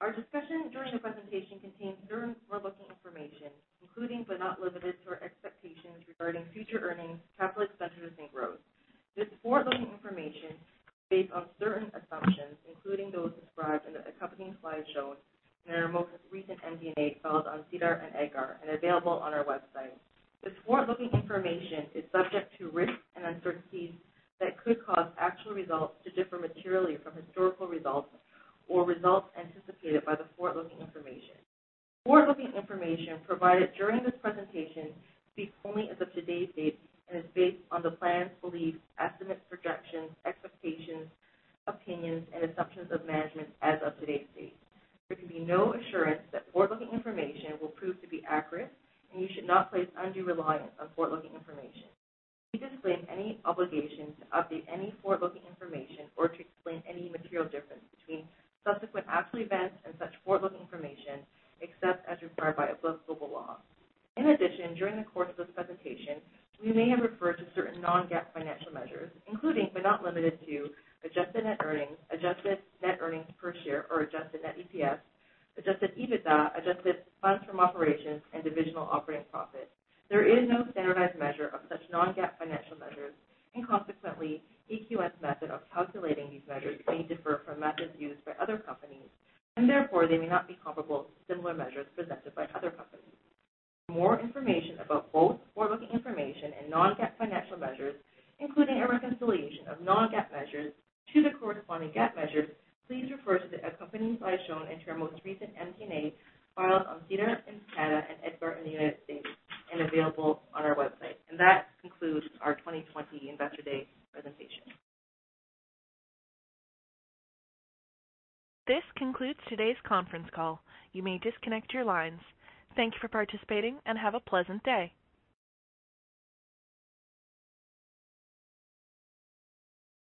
Our discussion during the presentation contains certain forward-looking information, including, but not limited to our expectations regarding future earnings, capital expenditures, and growth. This forward-looking information is based on certain assumptions, including those described in the accompanying slide shown in our most recent MD&A filed on SEDAR and EDGAR and available on our website. This forward-looking information is subject to risks and uncertainties that could cause actual results to differ materially from historical results or results anticipated by the forward-looking information. Forward-looking information provided during this presentation speaks only as of today's date and is based on the plans, beliefs, estimates, projections, expectations, opinions, and assumptions of management as of today's date. There can be no assurance that forward-looking information will prove to be accurate, and you should not place undue reliance on forward-looking information. We disclaim any obligation to update any forward-looking information or to explain any material difference between subsequent actual events and such forward-looking information, except as required by applicable law. In addition, during the course of this presentation, we may have referred to certain non-GAAP financial measures, including but not limited to adjusted net earnings, adjusted net earnings per share or adjusted net EPS, adjusted EBITDA, adjusted funds from operations, and divisional operating profit. There is no standardized measure of such non-GAAP financial measures, and consequently, AQN's method of calculating these measures may differ from methods used by other companies, and therefore they may not be comparable to similar measures presented by other companies. For more information about both forward-looking information and non-GAAP financial measures, including a reconciliation of non-GAAP measures to the corresponding GAAP measures, please refer to the accompanying slides shown and to our most recent MD&A filed on SEDAR in Canada and EDGAR in the United States, and available on our website. That concludes our 2020 Investor Day presentation. This concludes today's conference call. You may disconnect your lines. Thank you for participating, and have a pleasant day.